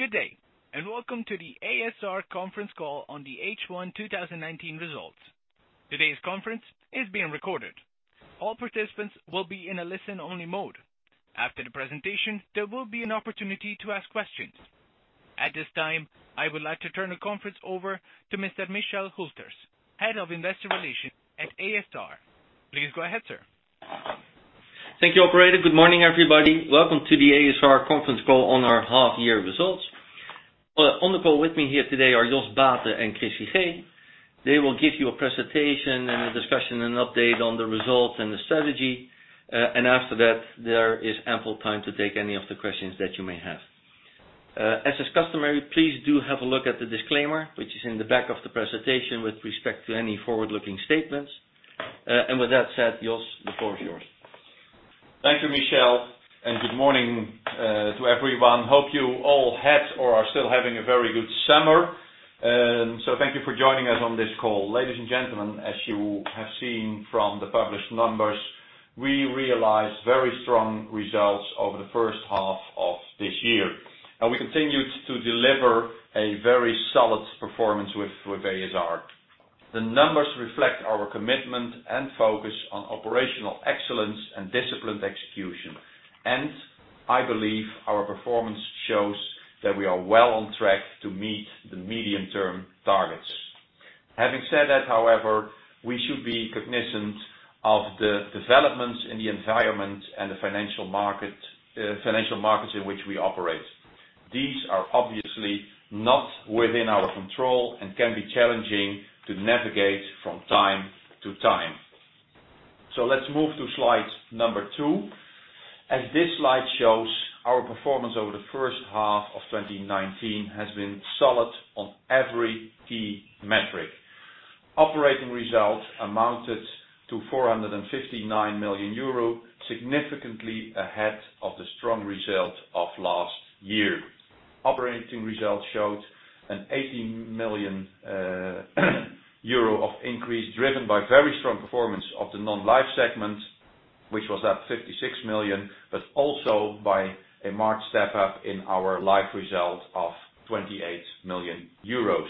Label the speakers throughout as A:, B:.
A: Good day, welcome to the ASR conference call on the H1 2019 results. Today's conference is being recorded. All participants will be in a listen-only mode. After the presentation, there will be an opportunity to ask questions. At this time, I would like to turn the conference over to Mr. Michel Hülters, Head of Investor Relations at ASR. Please go ahead, sir.
B: Thank you, operator. Good morning, everybody. Welcome to the a.s.r. conference call on our half-year results. On the call with me here today are Jos Baeten and Chris Figee. They will give you a presentation and a discussion and update on the results and the strategy. After that, there is ample time to take any of the questions that you may have. As is customary, please do have a look at the disclaimer, which is in the back of the presentation with respect to any forward-looking statements. With that said, Jos, the floor is yours.
C: Thank you, Michel. Good morning to everyone. Hope you all had or are still having a very good summer. Thank you for joining us on this call. Ladies and gentlemen, as you have seen from the published numbers, we realized very strong results over the first half of this year. We continued to deliver a very solid performance with ASR. The numbers reflect our commitment and focus on operational excellence and disciplined execution. I believe our performance shows that we are well on track to meet the medium-term targets. Having said that, however, we should be cognizant of the developments in the environment and the financial markets in which we operate. These are obviously not within our control and can be challenging to navigate from time to time. Let's move to slide number two. As this slide shows, our performance over the first half of 2019 has been solid on every key metric. Operating results amounted to 459 million euro, significantly ahead of the strong result of last year. Operating results showed an 18 million euro of increase, driven by very strong performance of the Non-Life segment, which was at 56 million, but also by a marked step up in our life result of 28 million euros.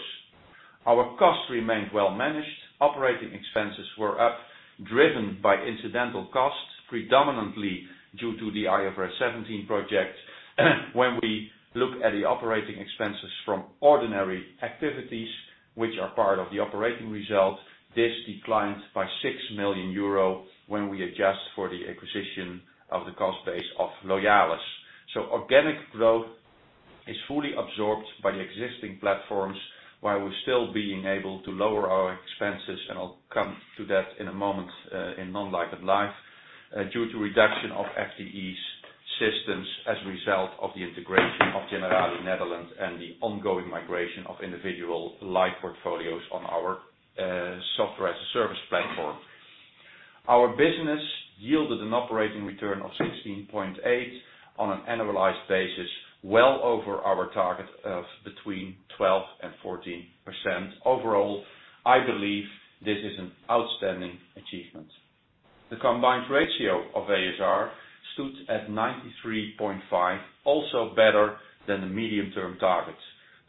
C: Our costs remained well managed. Operating expenses were up, driven by incidental costs, predominantly due to the IFRS 17 project. When we look at the operating expenses from ordinary activities, which are part of the operating result, this declined by 6 million euro when we adjust for the acquisition of the cost base of Loyalis. Organic growth is fully absorbed by the existing platforms, while we're still being able to lower our expenses, and I'll come to that in a moment, in Non-Life and life, due to reduction of FTEs systems as a result of the integration of Generali Nederland and the ongoing migration of individual life portfolios on our Software as a Service platform. Our business yielded an operating return of 16.8% on an annualized basis, well over our target of between 12% and 14%. Overall, I believe this is an outstanding achievement. The combined ratio of a.s.r. stood at 93.5%, also better than the medium-term targets.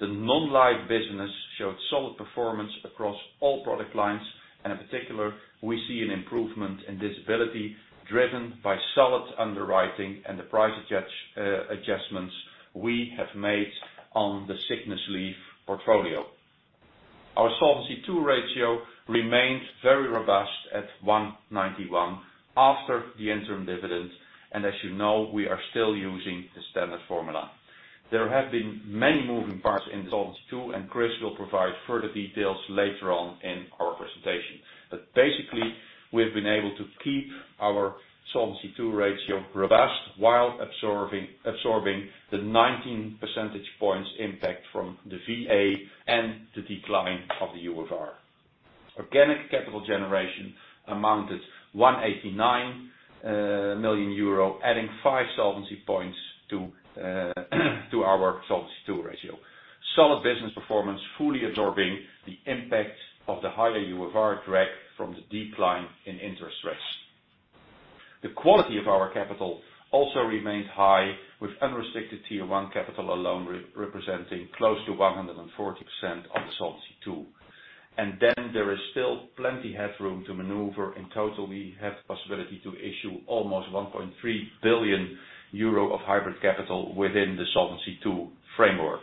C: The Non-Life business showed solid performance across all product lines, and in particular, we see an improvement in disability driven by solid underwriting and the price adjustments we have made on the sickness leave portfolio. Our Solvency II ratio remains very robust at 191 after the interim dividend, as you know, we are still using the standard formula. There have been many moving parts in the Solvency II, and Chris will provide further details later on in our presentation. Basically, we've been able to keep our Solvency II ratio robust while absorbing the 19 percentage points impact from the VA and the decline of the UFR. Organic capital generation amounted 189 million euro, adding five solvency points to our Solvency II ratio. Solid business performance fully absorbing the impact of the higher UFR drag from the decline in interest rates. The quality of our capital also remains high, with unrestricted Tier 1 capital alone representing close to 140% of the Solvency II. There is still plenty headroom to maneuver. In total, we have the possibility to issue almost 1.3 billion euro of hybrid capital within the Solvency II framework.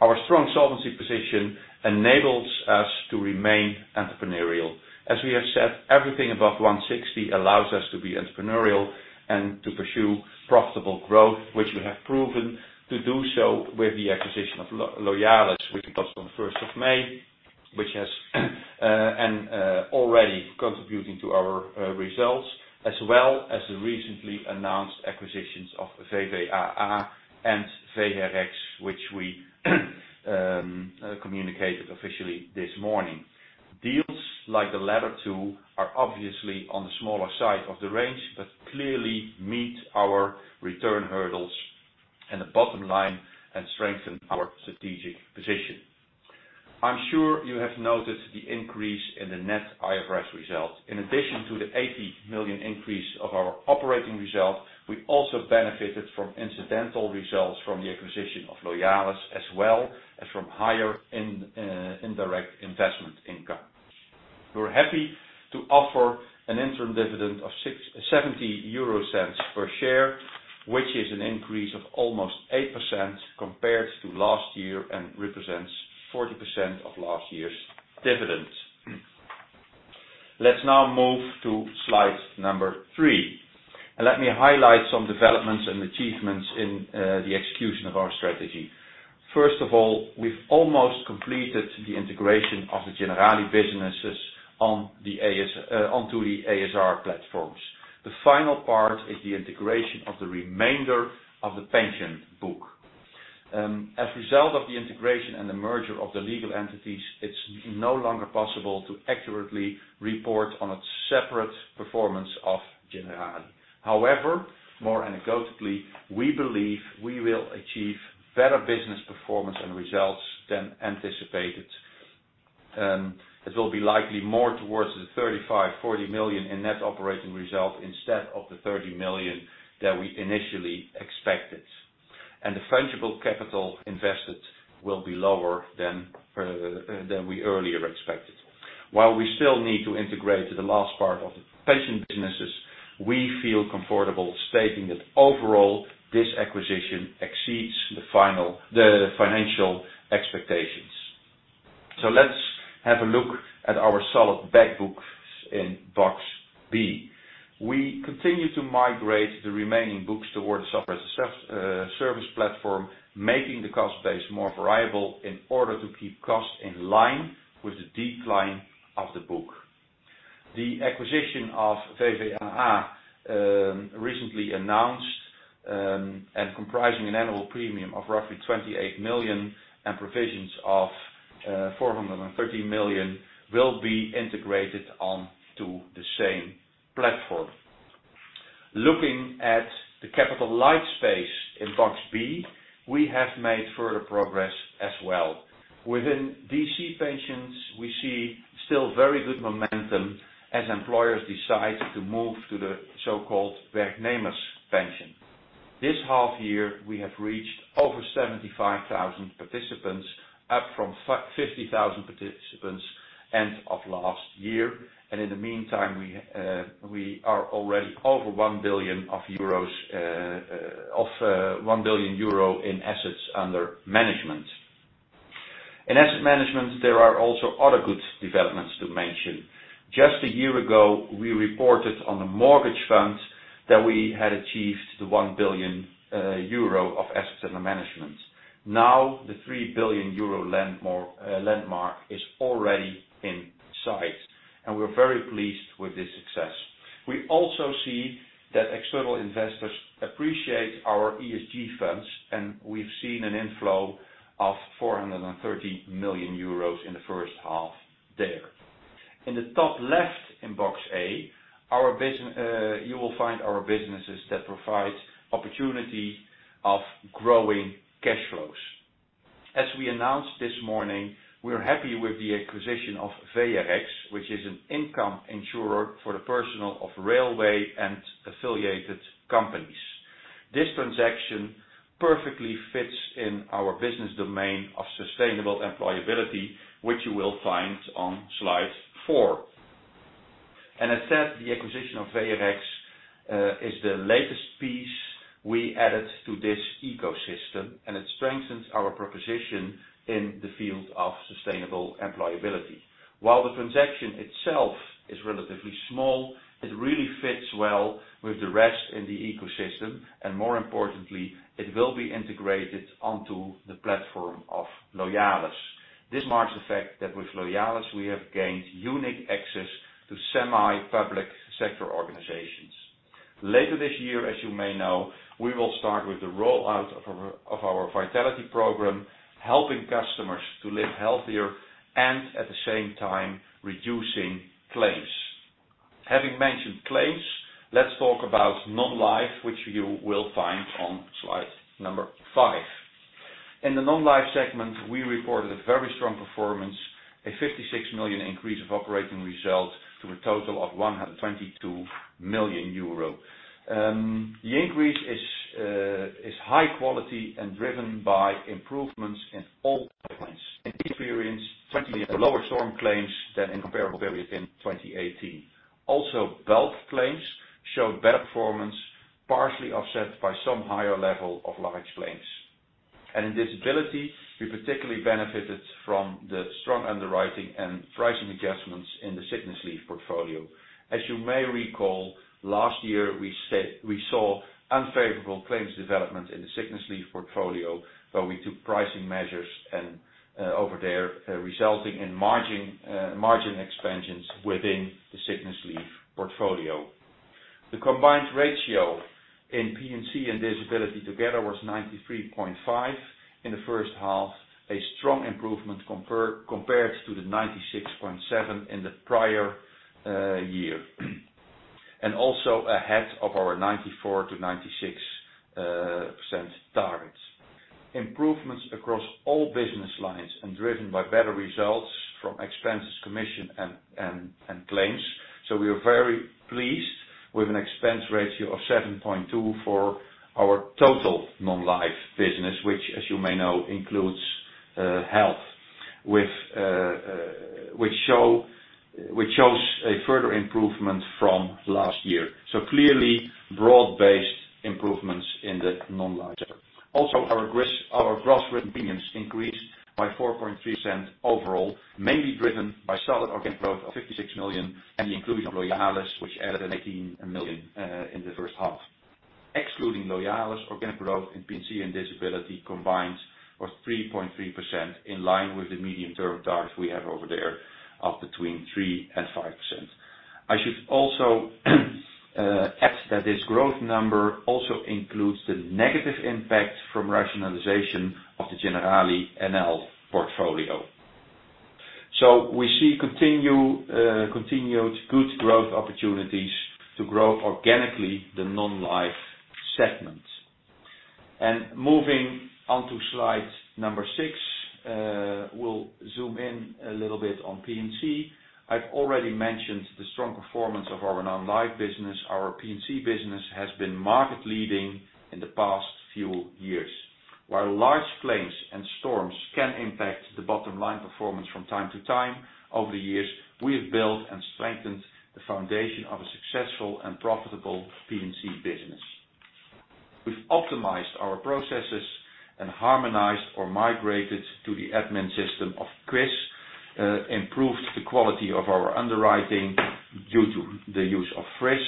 C: Our strong solvency position enables us to remain entrepreneurial. As we have said, everything above 160 allows us to be entrepreneurial and to pursue profitable growth, which we have proven to do so with the acquisition of Loyalis, which we got on the 1st of May, and already contributing to our results, as well as the recently announced acquisitions of VvAA and Veherex, which we communicated officially this morning. Deals like the latter two are obviously on the smaller side of the range, but clearly meet our return hurdles and the bottom line and strengthen our strategic position. I'm sure you have noticed the increase in the net IFRS results. In addition to the 80 million increase of our operating results, we also benefited from incidental results from the acquisition of Loyalis as well as from higher indirect investment income. We're happy to offer an interim dividend of 0.70 per share, which is an increase of almost 8% compared to last year and represents 40% of last year's dividends. Let's now move to slide number three. Let me highlight some developments and achievements in the execution of our strategy. First of all, we've almost completed the integration of the Generali businesses onto the ASR platforms. The final part is the integration of the remainder of the pension book. As a result of the integration and the merger of the legal entities, it's no longer possible to accurately report on a separate performance of Generali. However, more anecdotally, we believe we will achieve better business performance and results than anticipated. It will be likely more towards the 35 million-40 million in net operating results instead of the 30 million that we initially expected. The franchisable capital invested will be lower than we earlier expected. While we still need to integrate the last part of the pension businesses, we feel comfortable stating that overall, this acquisition exceeds the financial expectations. Let's have a look at our solid back books in box B. We continue to migrate the remaining books towards Software as a Service platform, making the cost base more variable in order to keep costs in line with the decline of the book. The acquisition of VvAA, recently announced, and comprising an annual premium of roughly 28 million and provisions of 430 million, will be integrated onto the same platform. Looking at the Capital Lite space in box B, we have made further progress as well. Within DC pensions, we see still very good momentum as employers decide to move to the so-called werknemerspensioen. This half year, we have reached over 75,000 participants, up from 50,000 participants end of last year, and in the meantime, we are already over of €1 billion in assets under management. In asset management, there are also other good developments to mention. Just a year ago, we reported on the mortgage funds that we had achieved the €1 billion of assets under management. Now, the €3 billion landmark is already in sight, and we're very pleased with this success. We also see that external investors appreciate our ESG funds, and we've seen an inflow of €430 million in the first half there. In the top left in box A, you will find our businesses that provide opportunity of growing cash flows. As we announced this morning, we are happy with the acquisition of Veherex, which is an income insurer for the personnel of railway and affiliated companies. This transaction perfectly fits in our business domain of sustainable employability, which you will find on slide four. As said, the acquisition of Veherex is the latest piece we added to this ecosystem, and it strengthens our proposition in the field of sustainable employability. While the transaction itself is relatively small, it really fits well with the rest in the ecosystem, and more importantly, it will be integrated onto the platform of Loyalis. This marks the fact that with Loyalis, we have gained unique access to semi-public sector organizations. Later this year, as you may know, we will start with the rollout of our a.s.r. Vitality program, helping customers to live healthier and at the same time reducing claims. Having mentioned claims, let's talk about ASR Non-Life, which you will find on slide number five. In the ASR Non-Life segment, we reported a very strong performance, a 56 million increase of operating results to a total of 122 million euro. The increase is high quality and driven by improvements in all claims and experience, frankly, lower storm claims than in comparable periods in 2018. Also, belt claims showed better performance, partially offset by some higher level of large claims. In disability, we particularly benefited from the strong underwriting and pricing adjustments in the sickness leave portfolio. As you may recall, last year, we saw unfavorable claims development in the sickness leave portfolio, so we took pricing measures over there, resulting in margin expansions within the sickness leave portfolio. The combined ratio in P&C and disability together was 93.5 in the first half, a strong improvement compared to the 96.7 in the prior year, also ahead of our 94%-96% targets. Improvements across all business lines and driven by better results from expenses, commission, and claims. We are very pleased with an expense ratio of 7.2 for our total non-life business, which, as you may know, includes health, which shows a further improvement from last year. Clearly broad-based improvements in the non-life sector. Also, our gross written premiums increased by 4.3% overall, mainly driven by solid organic growth of 56 million and the inclusion of Loyalis, which added 18 million in the first half. Excluding Loyalis, organic growth in P&C and disability combined was 3.3%, in line with the medium-term targets we have over there of between 3% and 5%. I should also add that this growth number also includes the negative impact from rationalization of the Generali NL portfolio. We see continued good growth opportunities to grow organically the Non-Life segment. Moving on to slide number six, we'll zoom in a little bit on P&C. I've already mentioned the strong performance of our Non-Life business. Our P&C business has been market leading in the past few years. While large claims and storms can impact the bottom line performance from time to time, over the years, we have built and strengthened the foundation of a successful and profitable P&C business. We've optimized our processes and harmonized or migrated to the admin system of Chris, improved the quality of our underwriting due to the use of Fresh,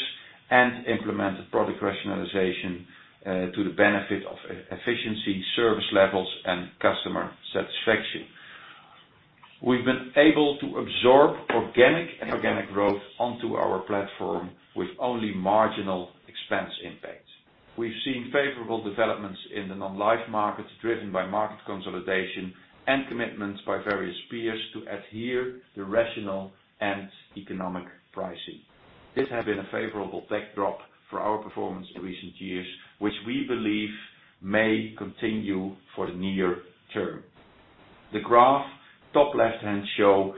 C: and implemented product rationalization to the benefit of efficiency, service levels, and customer satisfaction. We've been able to absorb organic and inorganic growth onto our platform with only marginal expense impact. We've seen favorable developments in the non-life markets, driven by market consolidation and commitments by various peers to adhere to rational and economic pricing. This has been a favorable backdrop for our performance in recent years, which we believe may continue for the near term. The graph top left-hand show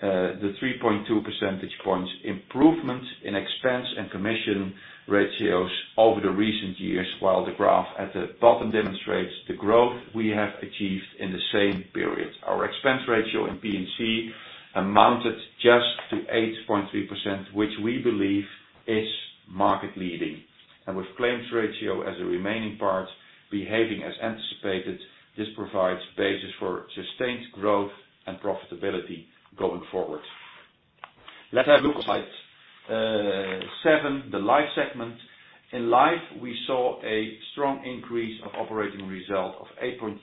C: the 3.2 percentage points improvement in expense and commission ratios over the recent years, while the graph at the bottom demonstrates the growth we have achieved in the same period. Our expense ratio in P&C amounted just to 8.3%, which we believe is market leading. With claims ratio as a remaining part behaving as anticipated, this provides basis for sustained growth and profitability going forward. Let's have a look at slide seven, the life segment. In life, we saw a strong increase of operating result of 8.3%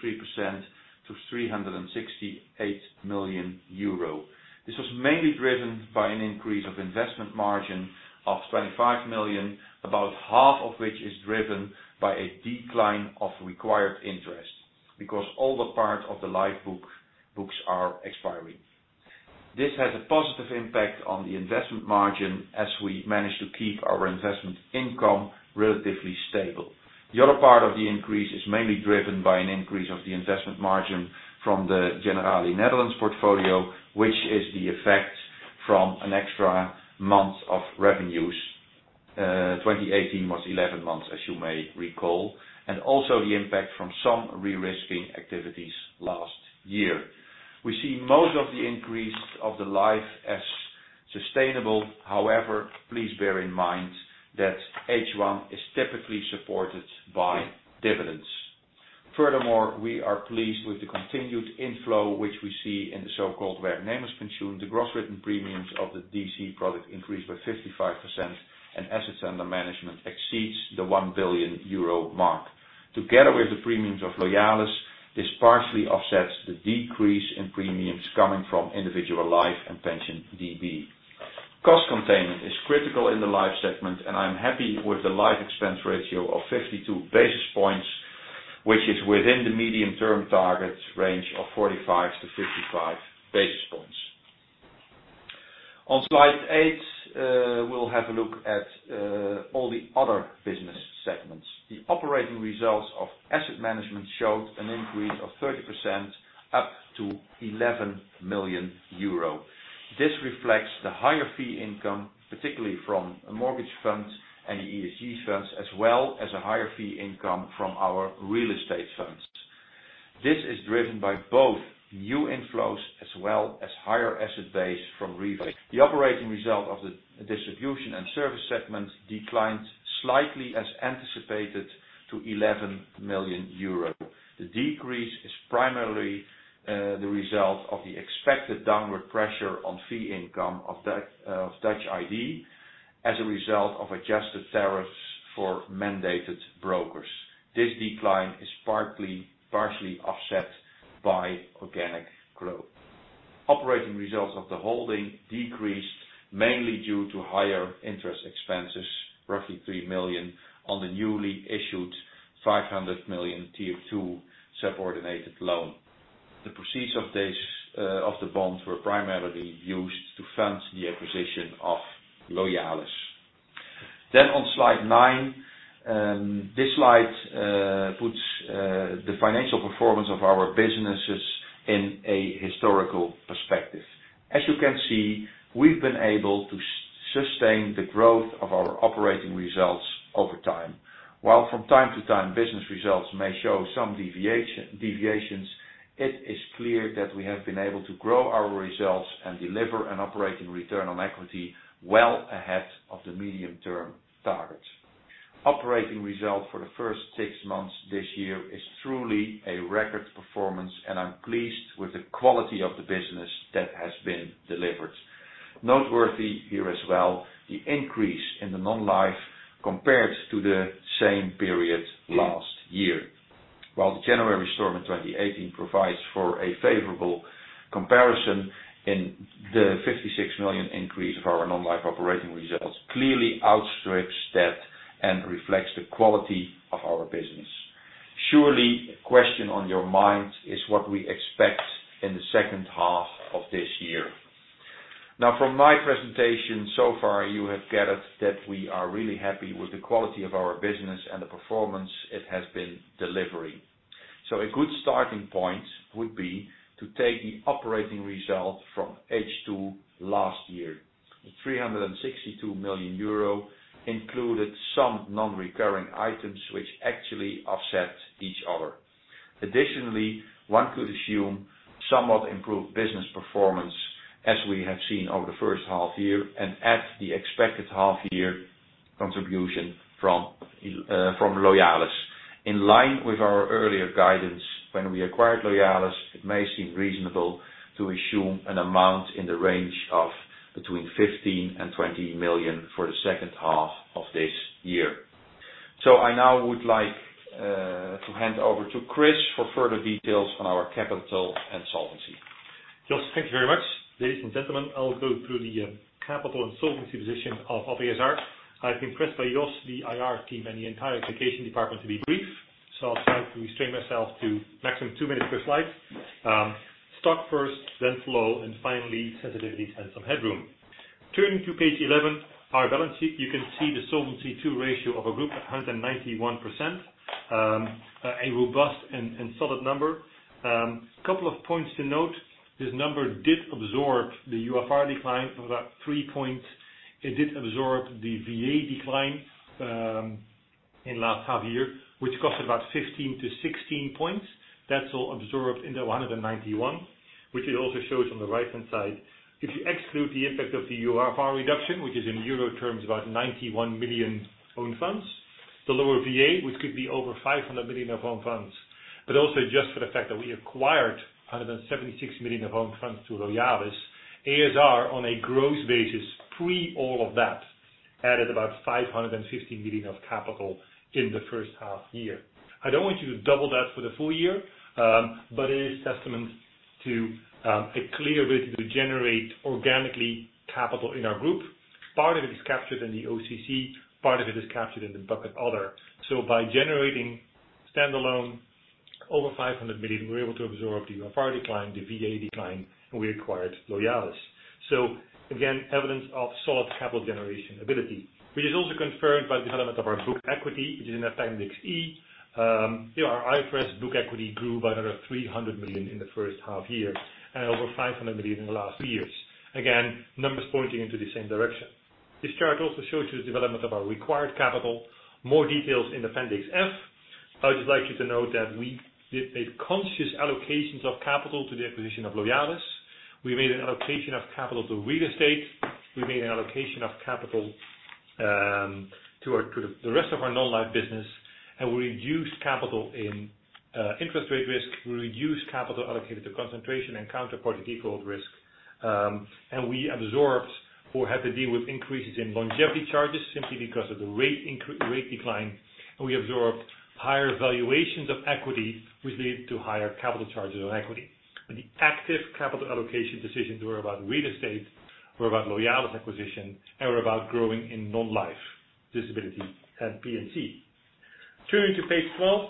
C: to 368 million euro. This was mainly driven by an increase of investment margin of 25 million, about half of which is driven by a decline of required interest because older parts of the life books are expiring. This has a positive impact on the investment margin as we managed to keep our investment income relatively stable. The other part of the increase is mainly driven by an increase of the investment margin from the Generali Nederland portfolio, which is the effect from an extra month of revenues. 2018 was 11 months, as you may recall, and also the impact from some re-risking activities last year. We see most of the increase of the Life as sustainable. Please bear in mind that H1 is typically supported by dividends. We are pleased with the continued inflow, which we see in the so-called waarneemingspensioen. The gross written premiums of the DC product increased by 55%. Assets under management exceeds the 1 billion euro mark. Together with the premiums of Loyalis, this partially offsets the decrease in premiums coming from individual Life and pension DB. Cost containment is critical in the Life segment. I'm happy with the Life expense ratio of 52 basis points, which is within the medium-term target range of 45-55 basis points. On slide eight, we'll have a look at all the other business segments. The operating results of asset management showed an increase of 30% up to 11 million euro. This reflects the higher fee income, particularly from mortgage funds and ESG funds, as well as a higher fee income from our real estate funds. This is driven by both new inflows as well as higher asset base from refi. The operating result of the distribution and service segment declined slightly as anticipated to 11 million euros. The decrease is primarily the result of the expected downward pressure on fee income of Dutch ID as a result of adjusted tariffs for mandated brokers. This decline is partially offset by organic growth. Operating results of the holding decreased mainly due to higher interest expenses, roughly 3 million on the newly issued 500 million Tier 2 subordinated loan. The proceeds of the bonds were primarily used to fund the acquisition of Loyalis. On slide nine, this slide puts the financial performance of our businesses in a historical perspective. As you can see, we've been able to sustain the growth of our operating results over time. While from time to time business results may show some deviations, it is clear that we have been able to grow our results and deliver an operating return on equity well ahead of the medium-term targets. Operating result for the first six months this year is truly a record performance, and I'm pleased with the quality of the business that has been delivered. Noteworthy here as well, the increase in the Non-Life compared to the same period last year. While the January storm in 2018 provides for a favorable comparison in the 56 million increase of our Non-Life operating results, clearly outstrips that and reflects the quality of our business. Surely a question on your mind is what we expect in the second half of this year. From my presentation so far, you have gathered that we are really happy with the quality of our business and the performance it has been delivering. A good starting point would be to take the operating result from H2 last year. The 362 million euro included some non-recurring items which actually offset each other. Additionally, one could assume somewhat improved business performance as we have seen over the first half year and at the expected half year contribution from Loyalis. In line with our earlier guidance when we acquired Loyalis, it may seem reasonable to assume an amount in the range of between 15 million and 20 million for the second half of this year. I now would like to hand over to Chris for further details on our capital and solvency.
D: Jos, thank you very much. Ladies and gentlemen, I'll go through the capital and solvency position of ASR. I've been pressed by Jos, the IR team, and the entire communication department to be brief. I'll try to restrain myself to maximum two minutes per slide. Stock first, then flow, finally sensitivities and some headroom. Turning to page 11, our balance sheet. You can see the Solvency II ratio of a group of 191%, a robust and solid number. A couple of points to note, this number did absorb the UFR decline of about three points. It did absorb the VA decline in last half year, which cost about 15 to 16 points. That's all absorbed in the 191, which it also shows on the right-hand side. If you exclude the effect of the UFR reduction, which is in 91 million own funds, the lower VA, which could be over 500 million of own funds, but also just for the fact that we acquired 176 million of own funds to Loyalis. ASR on a gross basis pre all of that added about 550 million of capital in the first half year. I don't want you to double that for the full year. It is testament to a clear way to generate organically capital in our group. Part of it is captured in the OCC, part of it is captured in the bucket other. By generating standalone over 500 million, we were able to absorb the UFR decline, the VA decline, and we acquired Loyalis. Again, evidence of solid Capital Generation ability, which is also confirmed by development of our book equity, which is in Appendix E. Our IFRS book equity grew by another 300 million in the first half year and over 500 million in the last few years. Again, numbers pointing into the same direction. This chart also shows you the development of our required capital. More details in Appendix F. I would just like you to note that we did a conscious allocations of capital to the acquisition of Loyalis. We made an allocation of capital to real estate. We made an allocation of capital to the rest of our non-life business. We reduced capital in interest rate risk. We reduced capital allocated to concentration and counterparty default risk. We absorbed or had to deal with increases in longevity charges simply because of the rate decline. We absorbed higher valuations of equity, which led to higher capital charges on equity. The active capital allocation decisions were about real estate, were about Loyalis acquisition, and were about growing in non-life disability and P&C. Turning to page 12,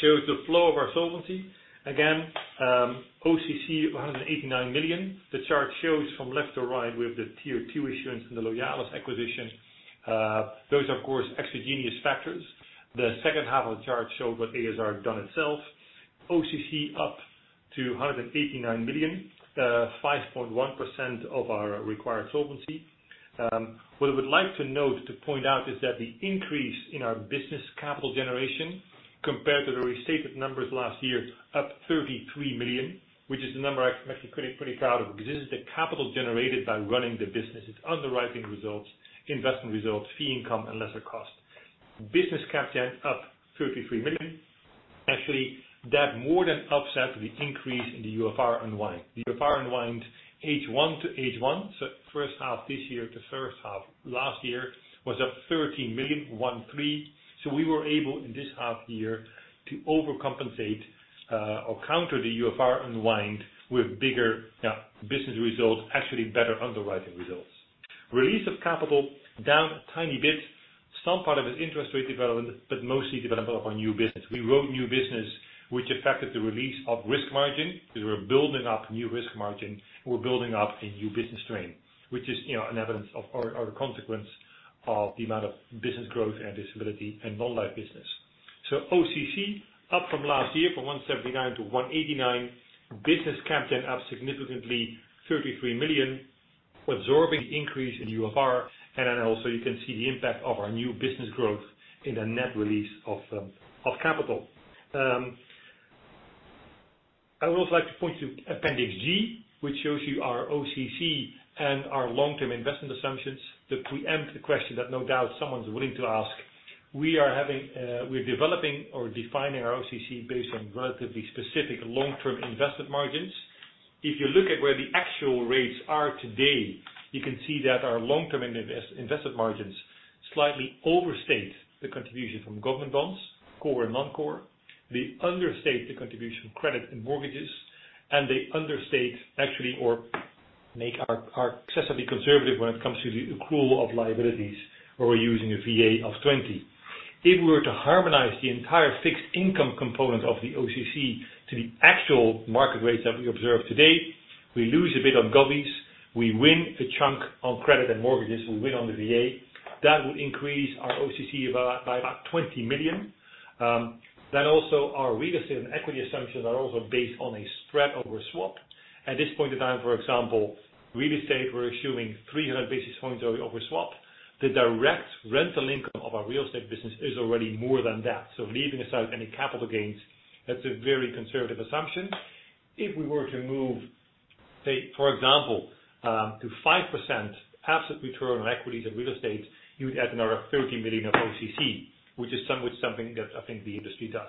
D: shows the flow of our solvency. Again, OCC 189 million. The chart shows from left to right with the Tier 2 issuance and the Loyalis acquisition. Those, of course, exogenous factors. The second half of the chart shows what ASR did itself. OCC up to 189 million, 5.1% of our required solvency. What I would like to note to point out is that the increase in our business Capital Generation compared to the restated numbers last year up 33 million, which is the number I'm actually pretty proud of because this is the capital generated by running the business. Its underwriting results, investment results, fee income, and lesser cost. Business cap gen up 33 million. Actually, that more than upsets the increase in the UFR unwind. The UFR unwind H1 to H1, first half this year to first half last year was up 13 million, one three. We were able in this half year to overcompensate or counter the UFR unwind with bigger business results, actually better underwriting results. Release of capital down a tiny bit. Some part of it is interest rate development, but mostly development of our new business. We wrote new business, which affected the release of risk margin, because we're building up new risk margin. We're building up a new business stream, which is an evidence of, or a consequence of the amount of business growth and disability in non-life business. OCC, up from last year from 179-189. Business CapGen up significantly, 33 million, absorbing increase in UFR. You can see the impact of our new business growth in the net release of capital. I would also like to point to appendix G, which shows you our OCC and our long-term investment assumptions. To preempt the question that no doubt someone's willing to ask, we're developing or defining our OCC based on relatively specific long-term investment margins. If you look at where the actual rates are today, you can see that our long-term investment margins slightly overstate the contribution from government bonds, core and non-core. They understate the contribution of credit in mortgages, they understate actually or make us excessively conservative when it comes to the accrual of liabilities, where we're using a VA of 20. If we were to harmonize the entire fixed income component of the OCC to the actual market rates that we observe today, we lose a bit on govies, we win a chunk on credit and mortgages, we win on the VA. That would increase our OCC by about 20 million. Also our real estate and equity assumptions are also based on a spread over swap. At this point in time, for example, real estate, we're assuming 300 basis points over swap. The direct rental income of our real estate business is already more than that. Leaving aside any capital gains, that's a very conservative assumption. If we were to move, say, for example, to 5% asset return on equities and real estate, you would add another 30 million of OCC, which is somewhat something that I think the industry does.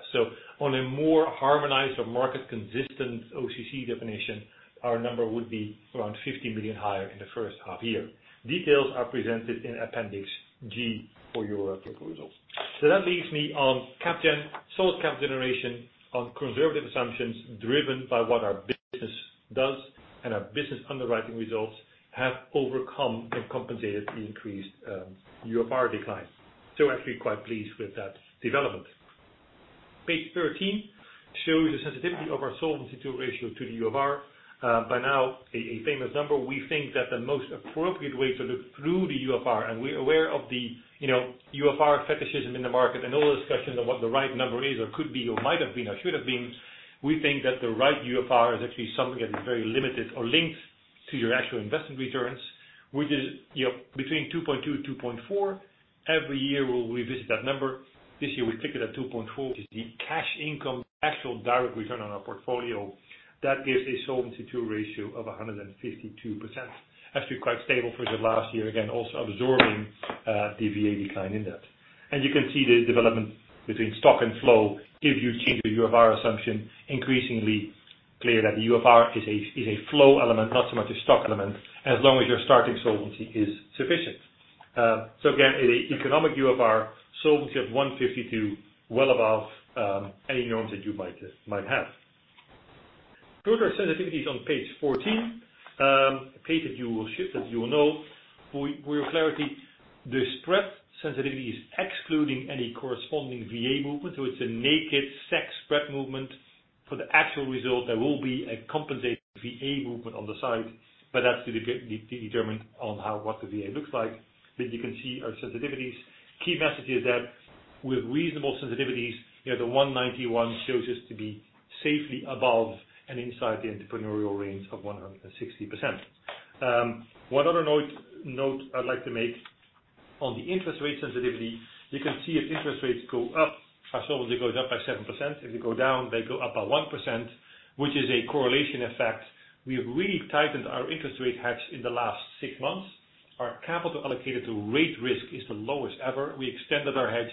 D: On a more harmonized or market-consistent OCC definition, our number would be around 50 million higher in the first half-year. Details are presented in appendix G for your perusal. That leaves me on CapGen. Solid cap generation on conservative assumptions driven by what our business does and our business underwriting results have overcome and compensated the increased UFR decline. Actually quite pleased with that development. Page 13 shows the sensitivity of our Solvency II ratio to the UFR. By now, a famous number. We think that the most appropriate way to look through the UFR, and we're aware of the UFR fetishism in the market, and all the discussions on what the right number is or could be or might have been or should have been. We think that the right UFR is actually something that is very limited or linked to your actual investment returns, which is between 2.2 to 2.4. Every year, we'll revisit that number. This year, we took it at 2.4, which is the cash income, actual direct return on our portfolio. That gives a Solvency II ratio of 152%. Actually quite stable versus last year, again, also absorbing the VA decline in that. You can see the development between stock and flow if you change the UFR assumption. Increasingly clear that the UFR is a flow element, not so much a stock element, as long as your starting solvency is sufficient. Again, at an economic UFR solvency of 152%, well above any norms that you might have. Further sensitivities on page 14. A page that you will shift, that you will know. For your clarity, the spread sensitivity is excluding any corresponding VA movement, so it's a naked spread movement. For the actual result, there will be a compensating VA movement on the side, but that's to be determined on what the VA looks like. You can see our sensitivities. Key message is that with reasonable sensitivities, the 191 shows us to be safely above and inside the entrepreneurial range of 160%. One other note I'd like to make on the interest rate sensitivity. You can see if interest rates go up, our solvency goes up by 7%. If they go down, they go up by 1%, which is a correlation effect. We've really tightened our interest rate hedge in the last six months. Our capital allocated to rate risk is the lowest ever. We extended our hedge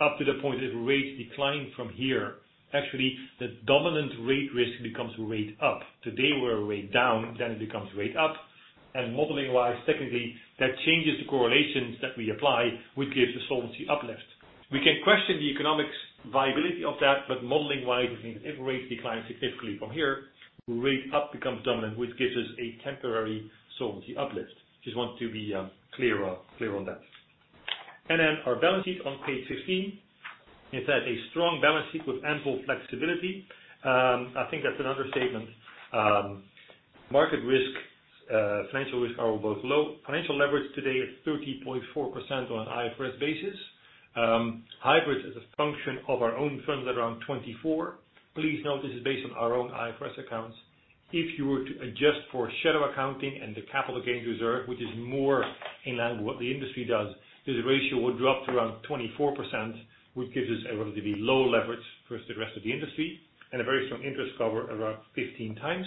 D: up to the point if rates decline from here, actually, the dominant rate risk becomes rate up. Today, we're rate down, it becomes rate up. Modeling-wise, secondly, that changes the correlations that we apply, which gives a solvency uplift. We can question the economics viability of that, modeling-wise, we think if rates decline significantly from here, rate up becomes dominant, which gives us a temporary solvency uplift. Just want to be clear on that. Our balance sheet on page 15. It said a strong balance sheet with ample flexibility. I think that's an understatement. Market risk, financial risk are both low. Financial leverage today at 30.4% on an IFRS basis. Hybrids is a function of our own funds at around 24. Please note, this is based on our own IFRS accounts. If you were to adjust for shadow accounting and the capital gains reserve, which is more in line with what the industry does, this ratio would drop to around 24%, which gives us a relatively low leverage versus the rest of the industry, and a very strong interest cover of around 15 times.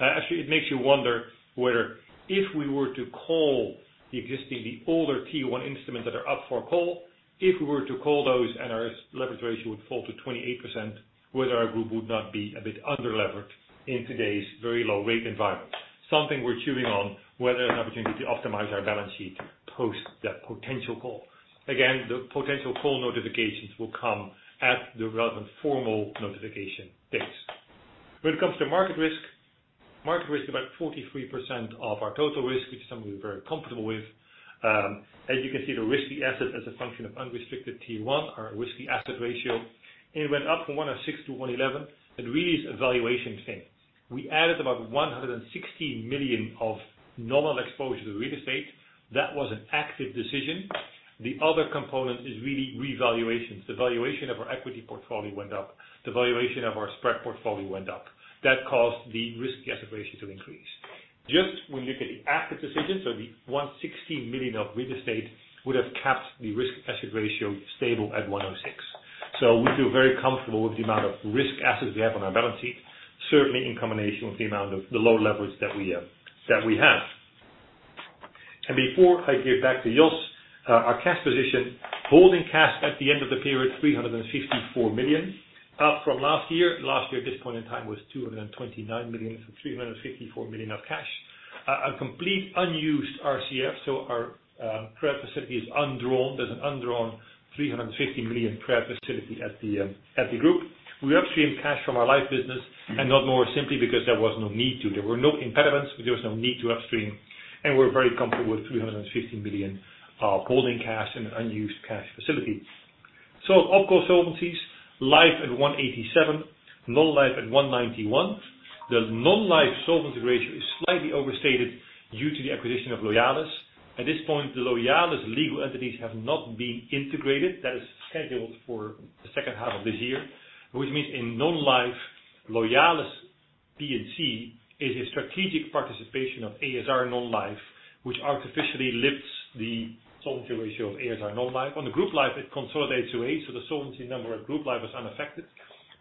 D: Actually, it makes you wonder whether if we were to call the existing, the older T1 instruments that are up for call, if we were to call those and our leverage ratio would fall to 28%, whether our group would not be a bit under-levered in today's very low rate environment. Something we're chewing on, whether there's an opportunity to optimize our balance sheet post that potential call. Again, the potential call notifications will come at the relevant formal notification dates. When it comes to market risk, market risk is about 43% of our total risk, which is something we're very comfortable with. You can see, the risky assets as a function of unrestricted Tier 1, our risky asset ratio, it went up from 106 to 111. It really is a valuation thing. We added about 160 million of normal exposure to real estate. That was an active decision. The other component is really revaluations. The valuation of our equity portfolio went up. The valuation of our spread portfolio went up. That caused the risky asset ratio to increase. Just when you look at the active decision, the 116 million of real estate would have capped the risky asset ratio stable at 106. We feel very comfortable with the amount of risk assets we have on our balance sheet, certainly in combination with the amount of the low leverage that we have. Before I give back to Jos, our cash position, holding cash at the end of the period, 354 million, up from last year. Last year at this point in time was 229 million, so 354 million of cash. A complete unused RCF, so our prep facility is undrawn. There's an undrawn 350 million prep facility at the group. We upstream cash from our life business and not more simply because there was no need to. There were no impediments, but there was no need to upstream, and we're very comfortable with 350 million holding cash and unused cash facility. OpCo solvency is life at 187%, non-life at 191%. The non-life solvency ratio is slightly overstated due to the acquisition of Loyalis. At this point, the Loyalis legal entities have not been integrated. That is scheduled for the second half of this year, which means in non-life, Loyalis P&C is a strategic participation of ASR Non-Life, which artificially lifts the solvency ratio of ASR Non-Life. On the group life, it consolidates to a.s.r., so the solvency number at group life is unaffected.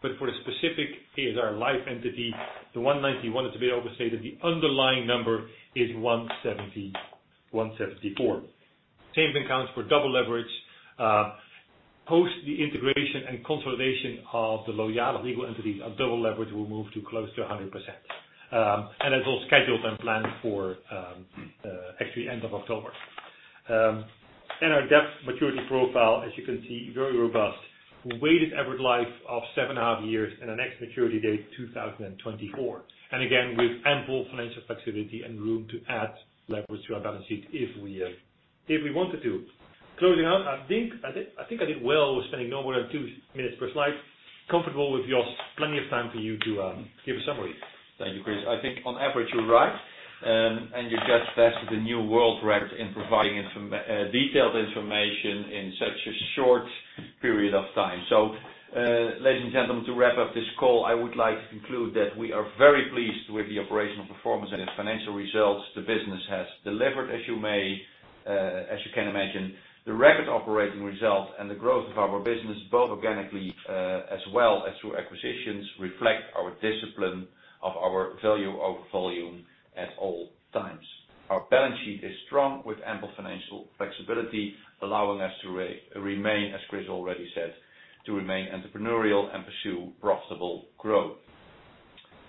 D: For a specific a.s.r. life entity, the 191 is a bit overstated. The underlying number is 174. Same thing counts for double leverage. Post the integration and consolidation of the Loyalis legal entities, our double leverage will move to close to 100%. That's all scheduled and planned for actually end of October. Our debt maturity profile, as you can see, very robust. Weighted average life of seven and a half years and the next maturity date 2024. Again, with ample financial flexibility and room to add leverage to our balance sheet if we wanted to. Closing out, I think I did well with spending no more than two minutes per slide. Comfortable with Jos. Plenty of time for you to give a summary.
C: Thank you, Chris. I think on average, you're right, and you just set the new world record in providing detailed information in such a short period of time. Ladies and gentlemen, to wrap up this call, I would like to conclude that we are very pleased with the operational performance and the financial results the business has delivered. As you can imagine, the record operating result and the growth of our business, both organically as well as through acquisitions, reflect our discipline of our value over volume at all times. Our balance sheet is strong with ample financial flexibility, allowing us to remain, as Chris already said, to remain entrepreneurial and pursue profitable growth.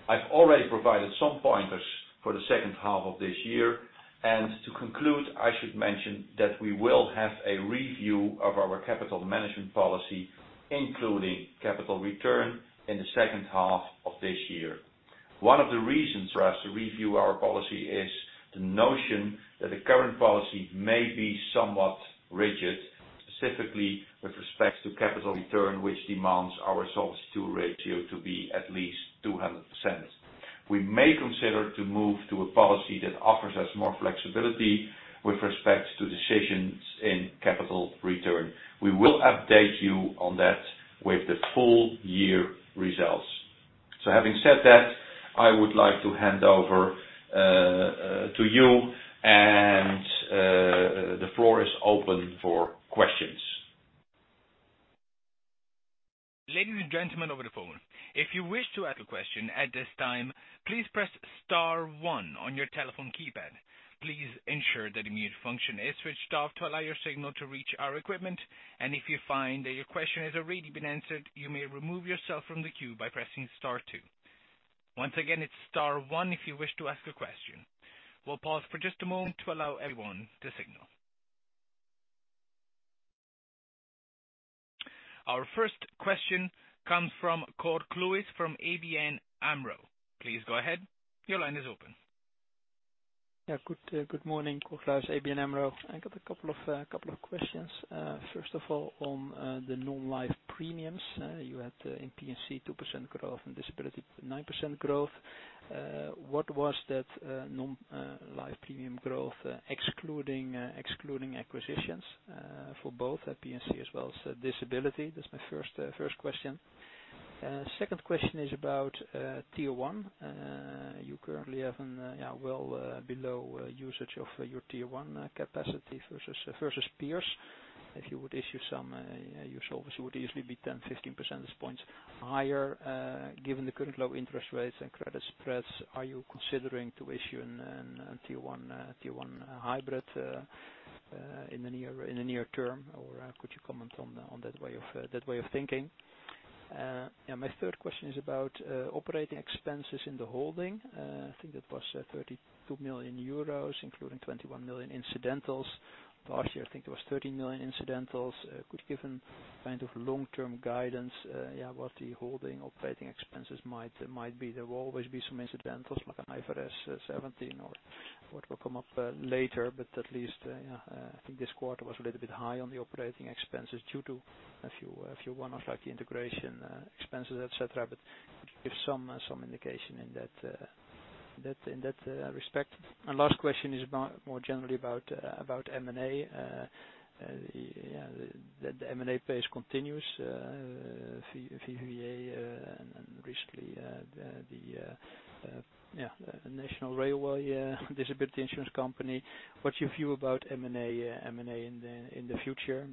C: I've already provided some pointers for the second half of this year, and to conclude, I should mention that we will have a review of our capital management policy, including capital return, in the second half of this year. One of the reasons for us to review our policy is the notion that the current policy may be somewhat rigid, specifically with respect to capital return, which demands our solvency ratio to be at least 200%. We may consider to move to a policy that offers us more flexibility with respect to decisions in capital return. We will update you on that with the full year results. Having said that, I would like to hand over to you, and the floor is open for questions.
A: Ladies and gentlemen over the phone, if you wish to ask a question at this time, please press star one on your telephone keypad. Please ensure that the mute function is switched off to allow your signal to reach our equipment. If you find that your question has already been answered, you may remove yourself from the queue by pressing star two. Once again, it's star one if you wish to ask a question. We'll pause for just a moment to allow everyone to signal. Our first question comes from Cor Kluis from ABN AMRO. Please go ahead. Your line is open.
E: Good morning, Cor Kluis, ABN AMRO. I got a couple of questions. First of all, on the Non-Life premiums. You had in P&C 2% growth and disability 9% growth. What was that Non-Life premium growth excluding acquisitions for both at P&C as well as disability? That's my first question. Second question is about Tier 1. You currently have a well below usage of your Tier 1 capacity versus peers. If you would issue some, your solvency would easily be 10, 15 percentage points higher. Given the current low interest rates and credit spreads, are you considering to issue a Tier 1 hybrid in the near term, or could you comment on that way of thinking? My third question is about operating expenses in the holding. I think that was 32 million euros, including 21 million incidentals. Last year, I think there was 30 million incidentals. Could you give a long-term guidance, yeah, what the holding operating expenses might be? There will always be some incidentals like an IFRS 17 or what will come up later, but at least, I think this quarter was a little bit high on the operating expenses due to a few one-offs, like the integration expenses, et cetera. Could you give some indication in that respect. Last question is more generally about M&A. The M&A pace continues, VvAA, and recently, Veherex. What's your view about M&A in the future?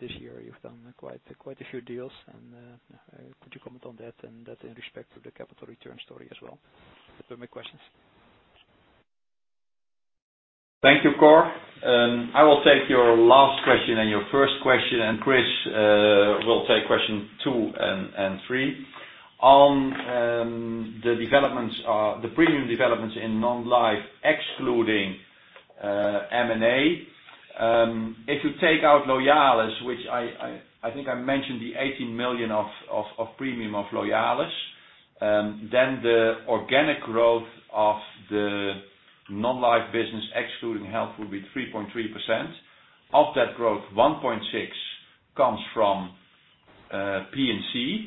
E: This year you've done quite a few deals, and could you comment on that and that in respect to the capital return story as well? Those are my questions.
C: Thank you, Cor. I will take your last question and your first question. Chris will take question two and three. On the premium developments in Non-Life, excluding M&A. If you take out Loyalis, which I think I mentioned the 18 million of premium of Loyalis, then the organic growth of the Non-Life business excluding health would be 3.3%. Of that growth, 1.6% comes from P&C,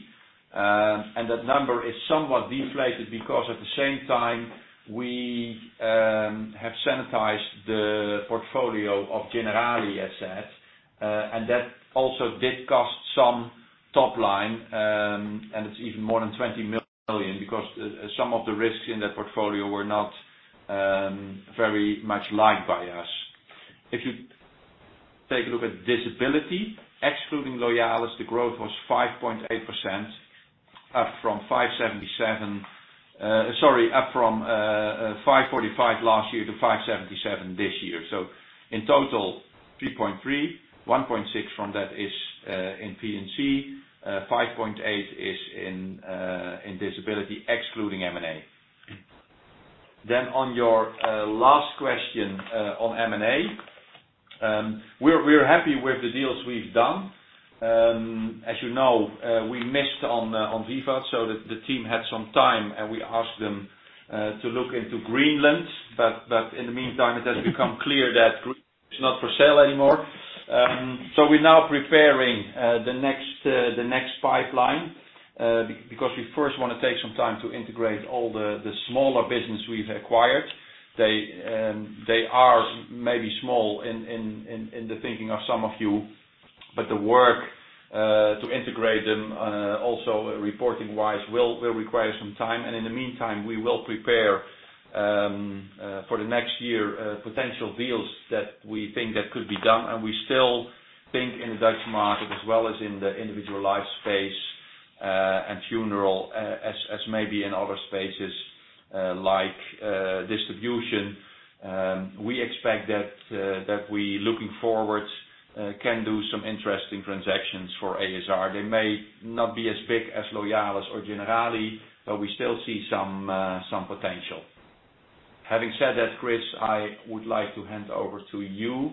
C: and that number is somewhat deflated because at the same time we have sanitized the portfolio of Generali, and that also did cost some top line, and it is even more than 20 million because some of the risks in that portfolio were not very much liked by us. If you take a look at disability, excluding Loyalis, the growth was 5.8% up from 545 last year to 577 this year. In total 3.3, 1.6 from that is in P&C, 5.8 is in disability excluding M&A. On your last question on M&A, we're happy with the deals we've done. As you know, we missed on Vivat, the team had some time, and we asked them to look into Greenland. In the meantime, it has become clear that Greenland is not for sale anymore. We're now preparing the next pipeline, because we first want to take some time to integrate all the smaller business we've acquired. They are maybe small in the thinking of some of you, but the work to integrate them, also reporting-wise, will require some time, and in the meantime, we will prepare, for the next year, potential deals that we think that could be done. We still think in the Dutch market as well as in the individual life space, and funeral, as maybe in other spaces like distribution. We expect that we, looking forward, can do some interesting transactions for ASR. They may not be as big as Loyalis or Generali, but we still see some potential. Having said that, Chris, I would like to hand over to you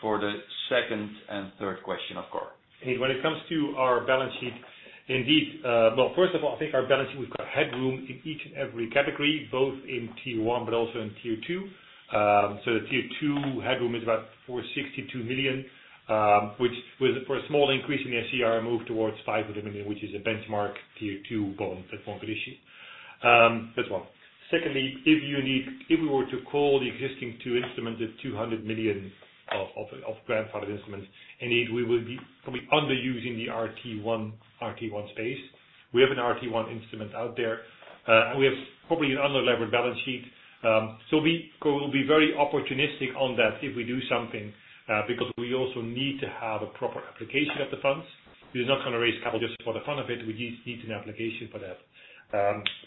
C: for the second and third question of Cor.
D: When it comes to our balance sheet, indeed. Well, first of all, I think our balance sheet, we've got headroom in each and every category, both in Tier 1 but also in Tier 2. The Tier 2 headroom is about 462 million, which for a small increase in SCR moved towards 500 million, which is a benchmark Tier 2 bond at 1 condition. That's 1. Secondly, if we were to call the existing 2 instruments, the 200 million of grandfathered instruments, indeed we will be probably underusing the RT1 space. We have an RT1 instrument out there, and we have probably an unlevered balance sheet. We will be very opportunistic on that if we do something, because we also need to have a proper application of the funds. We're not going to raise capital just for the fun of it. We need an application for that.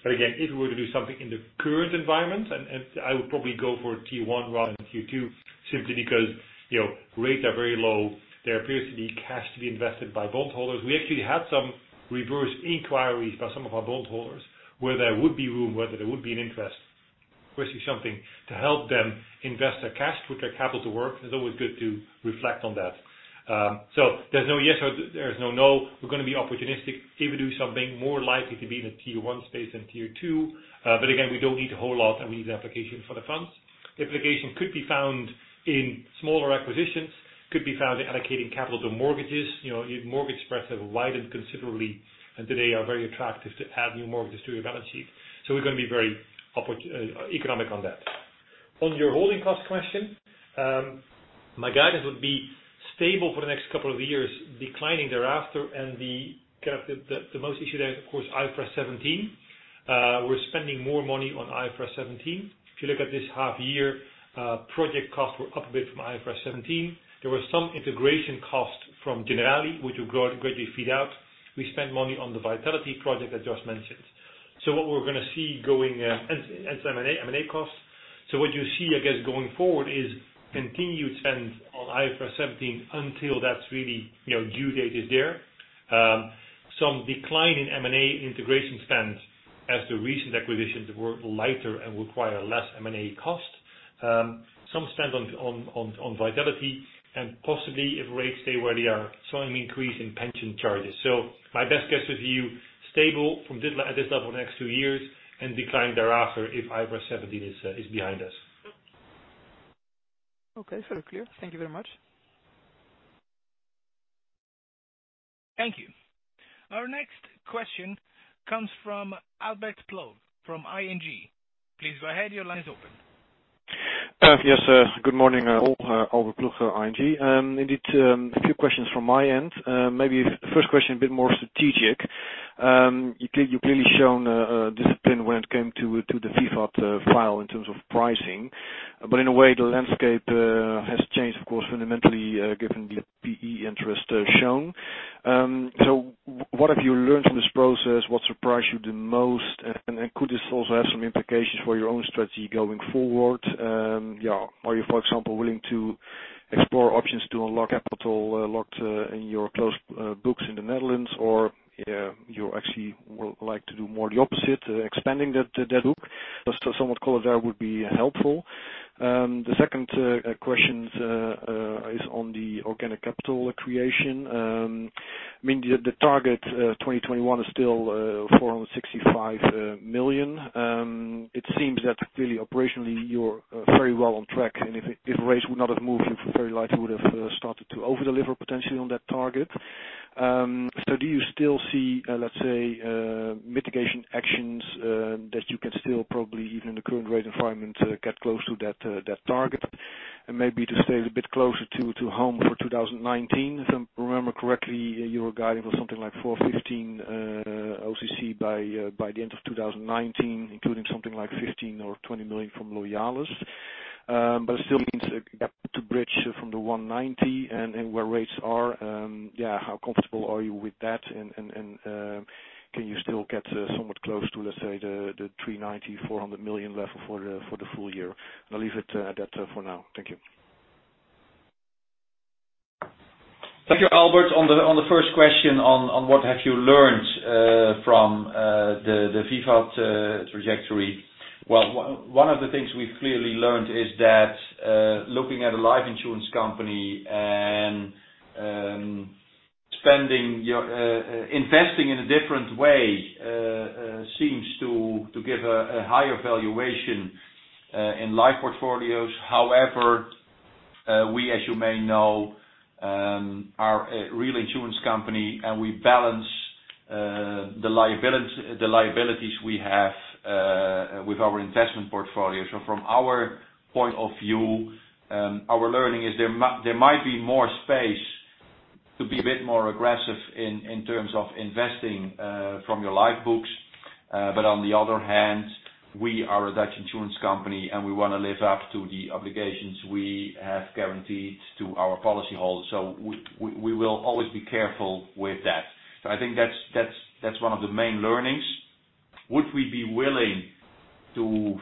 D: Again, if we were to do something in the current environment, and I would probably go for Tier 1 rather than Tier 2, simply because rates are very low. There appears to be cash to be invested by bondholders. We actually had some reverse inquiries by some of our bondholders where there would be room, whether there would be an interest versus something to help them invest their cash, put their capital to work. It's always good to reflect on that. There's no yes or there's no no. We're going to be opportunistic. If we do something, more likely to be in the Tier 1 space than Tier 2. Again, we don't need a whole lot, and we need the application for the funds. The application could be found in smaller acquisitions, could be found in allocating capital to mortgages. Mortgage spreads have widened considerably and today are very attractive to add new mortgages to your balance sheet. We're going to be very economic on that. On your holding cost question, my guidance would be stable for the next couple of years, declining thereafter, and the most issue there, of course, IFRS 17. We're spending more money on IFRS 17. If you look at this half year, project costs were up a bit from IFRS 17. There were some integration costs from Generali, which will greatly feed out. We spent money on the a.s.r. Vitality project that Jos mentioned. Some M&A costs. What you see, I guess, going forward is continued spend on IFRS 17 until that's really due date is there. Some decline in M&A integration spend as the recent acquisitions were lighter and require less M&A cost. Some spend on vitality and possibly if rates stay where they are, some increase in pension charges. My best guess is stable at this level the next two years and decline thereafter if IFRS 17 is behind us. Okay. Sort of clear. Thank you very much.
A: Thank you. Our next question comes from Albert Ploegh from ING. Please go ahead. Your line is open.
F: Yes. Good morning all. Albert Akkermans, ING. A few questions from my end. First question a bit more strategic. You've clearly shown discipline when it came to the Vivat file in terms of pricing. In a way, the landscape has changed, of course, fundamentally, given the PE interest shown. What have you learned from this process? What surprised you the most? Could this also have some implications for your own strategy going forward? Are you, for example, willing to explore options to unlock capital locked in your closed books in the Netherlands? You actually would like to do more the opposite, expanding that book. Some color there would be helpful. The second question is on the organic capital creation. I mean, the target 2021 is still 465 million. It seems that clearly operationally you are very well on track. If rates would not have moved, you very likely would have started to over-deliver potentially on that target. Do you still see, let's say, mitigation actions that you can still probably even in the current rate environment, get close to that target and maybe to stay a bit closer to home for 2019? If I remember correctly, you were guiding for something like 415 OCC by the end of 2019, including something like 15 million or 20 million from Loyalis. It still means a gap to bridge from the 190 and where rates are. How comfortable are you with that? Can you still get somewhat close to, let's say, the 390 million, 400 million level for the full year? I'll leave it at that for now. Thank you.
C: Thank you, Albert. What have you learned from the Vivat trajectory? Well, one of the things we've clearly learned is that looking at a life insurance company and investing in a different way seems to give a higher valuation in life portfolios. We, as you may know are a real insurance company, and we balance the liabilities we have with our investment portfolio. From our point of view, our learning is there might be more space to be a bit more aggressive in terms of investing from your life books. On the other hand, we are a Dutch insurance company, and we want to live up to the obligations we have guaranteed to our policyholders. We will always be careful with that. I think that's one of the main learnings. Would we be willing to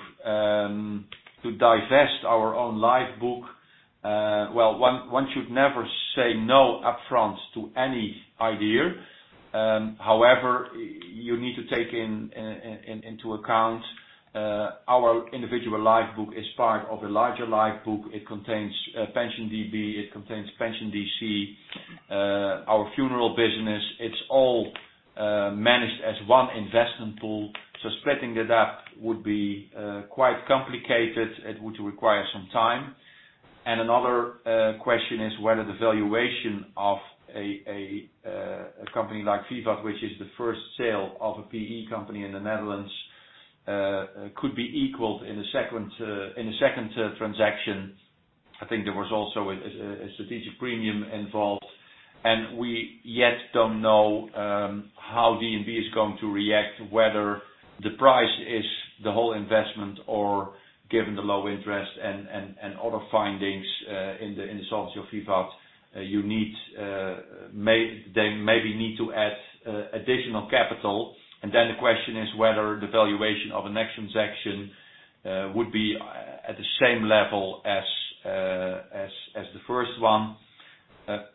C: divest our own life book? Well, one should never say no upfront to any idea. You need to take into account our individual life book is part of a larger life book. It contains pension DB, it contains pension DC, our funeral business, it's all managed as one investment pool. Splitting it up would be quite complicated. It would require some time. Another question is whether the valuation of a company like Vivat, which is the first sale of a PE company in the Netherlands could be equaled in a second transaction. I think there was also a strategic premium involved, we yet don't know how DNB is going to react, whether the price is the whole investment or given the low interest and other findings in the sale of Vivat, they maybe need to add additional capital. The question is whether the valuation of a next transaction would be at the same level as the first one.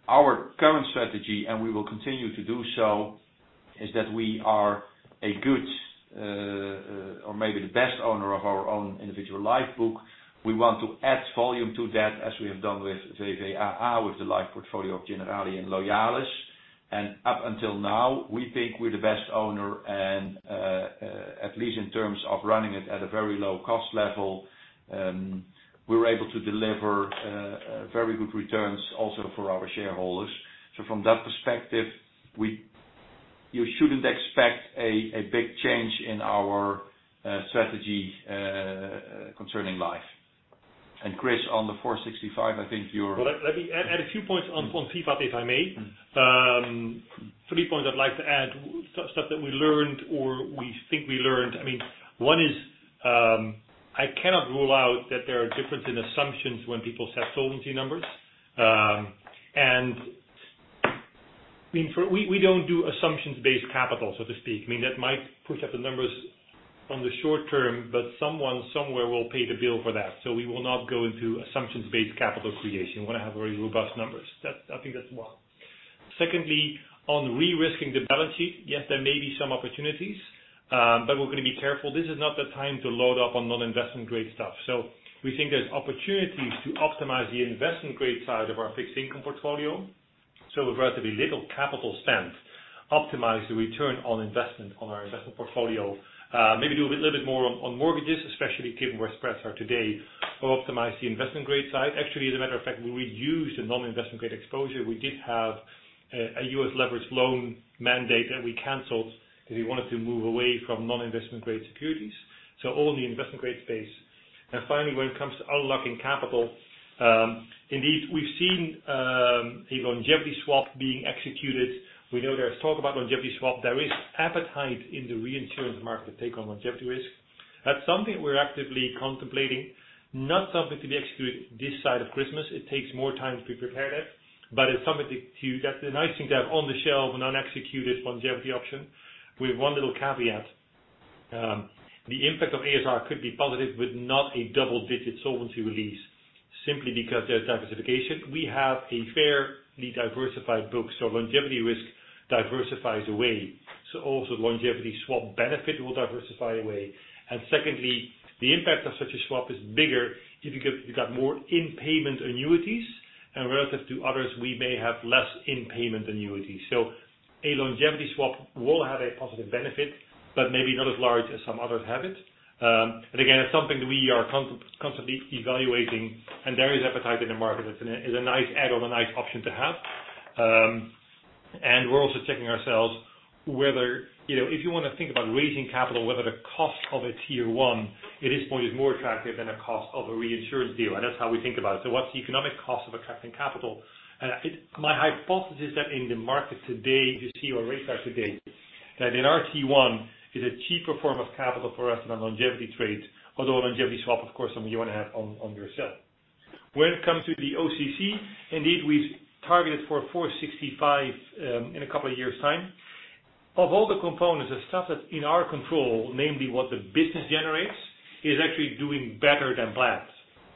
C: Our current strategy, and we will continue to do so, is that we are a good or maybe the best owner of our own individual life book. We want to add volume to that, as we have done with VvAA, with the life portfolio of Generali and Loyalis. Up until now, we think we're the best owner and, at least in terms of running it at a very low cost level, we were able to deliver very good returns also for our shareholders. From that perspective, you shouldn't expect a big change in our strategy concerning life. Chris, on the 465, Well, let me add a few points on Vivat, if I may. Three points I'd like to add, stuff that we learned or we think we learned. I mean, one is, I cannot rule out that there are differences in assumptions when people set Solvency numbers. We don't do assumptions-based capital, so to speak. I mean, that might push up the numbers on the short term, but someone somewhere will pay the bill for that. We will not go into assumptions-based capital creation. We want to have very robust numbers. I think that's one. Secondly, on re-risking the balance sheet, yes, there may be some opportunities, but we're going to be careful. This is not the time to load up on non-investment grade stuff. We think there's opportunities to optimize the investment grade side of our fixed income portfolio. With relatively little capital spent, optimize the return on investment on our investment portfolio. Maybe do a little bit more on mortgages, especially given where spreads are today, but optimize the investment grade side. Actually, as a matter of fact, we reduced the non-investment grade exposure. We did have a U.S. leverage loan mandate that we canceled because we wanted to move away from non-investment grade securities, so all in the investment grade space. Finally, when it comes to unlocking capital, indeed we've seen a longevity swap being executed. We know there's talk about longevity swap. There is appetite in the reinsurance market to take on longevity risk. That's something we're actively contemplating, not something to be executed this side of Christmas. It takes more time to prepare that. That's a nice thing to have on the shelf, an unexecuted longevity option with one little caveat. The impact of a.s.r. could be positive, but not a double-digit solvency release simply because there's diversification. We have a fairly diversified book, so longevity risk diversifies away. Also longevity swap benefit will diversify away. Secondly, the impact of such a swap is bigger if you got more in-payment annuities and relative to others, we may have less in-payment annuities. A longevity swap will have a positive benefit, but maybe not as large as some others have it. Again, it's something that we are constantly evaluating and there is appetite in the market. It's a nice add or a nice option to have. We're also checking ourselves whether if you want to think about raising capital, whether the cost of a Tier 1 at this point is more attractive than a cost of a reinsurance deal. That's how we think about it. What's the economic cost of attracting capital? My hypothesis that in the market today, you see our rate card today, that in our Tier 1 is a cheaper form of capital for us than a longevity trade. Although a longevity swap, of course, something you want to have on your shelf. When it comes to the OCC, indeed, we've targeted for 465 in a couple of years' time. Of all the components, the stuff that's in our control, namely what the business generates, is actually doing better than planned.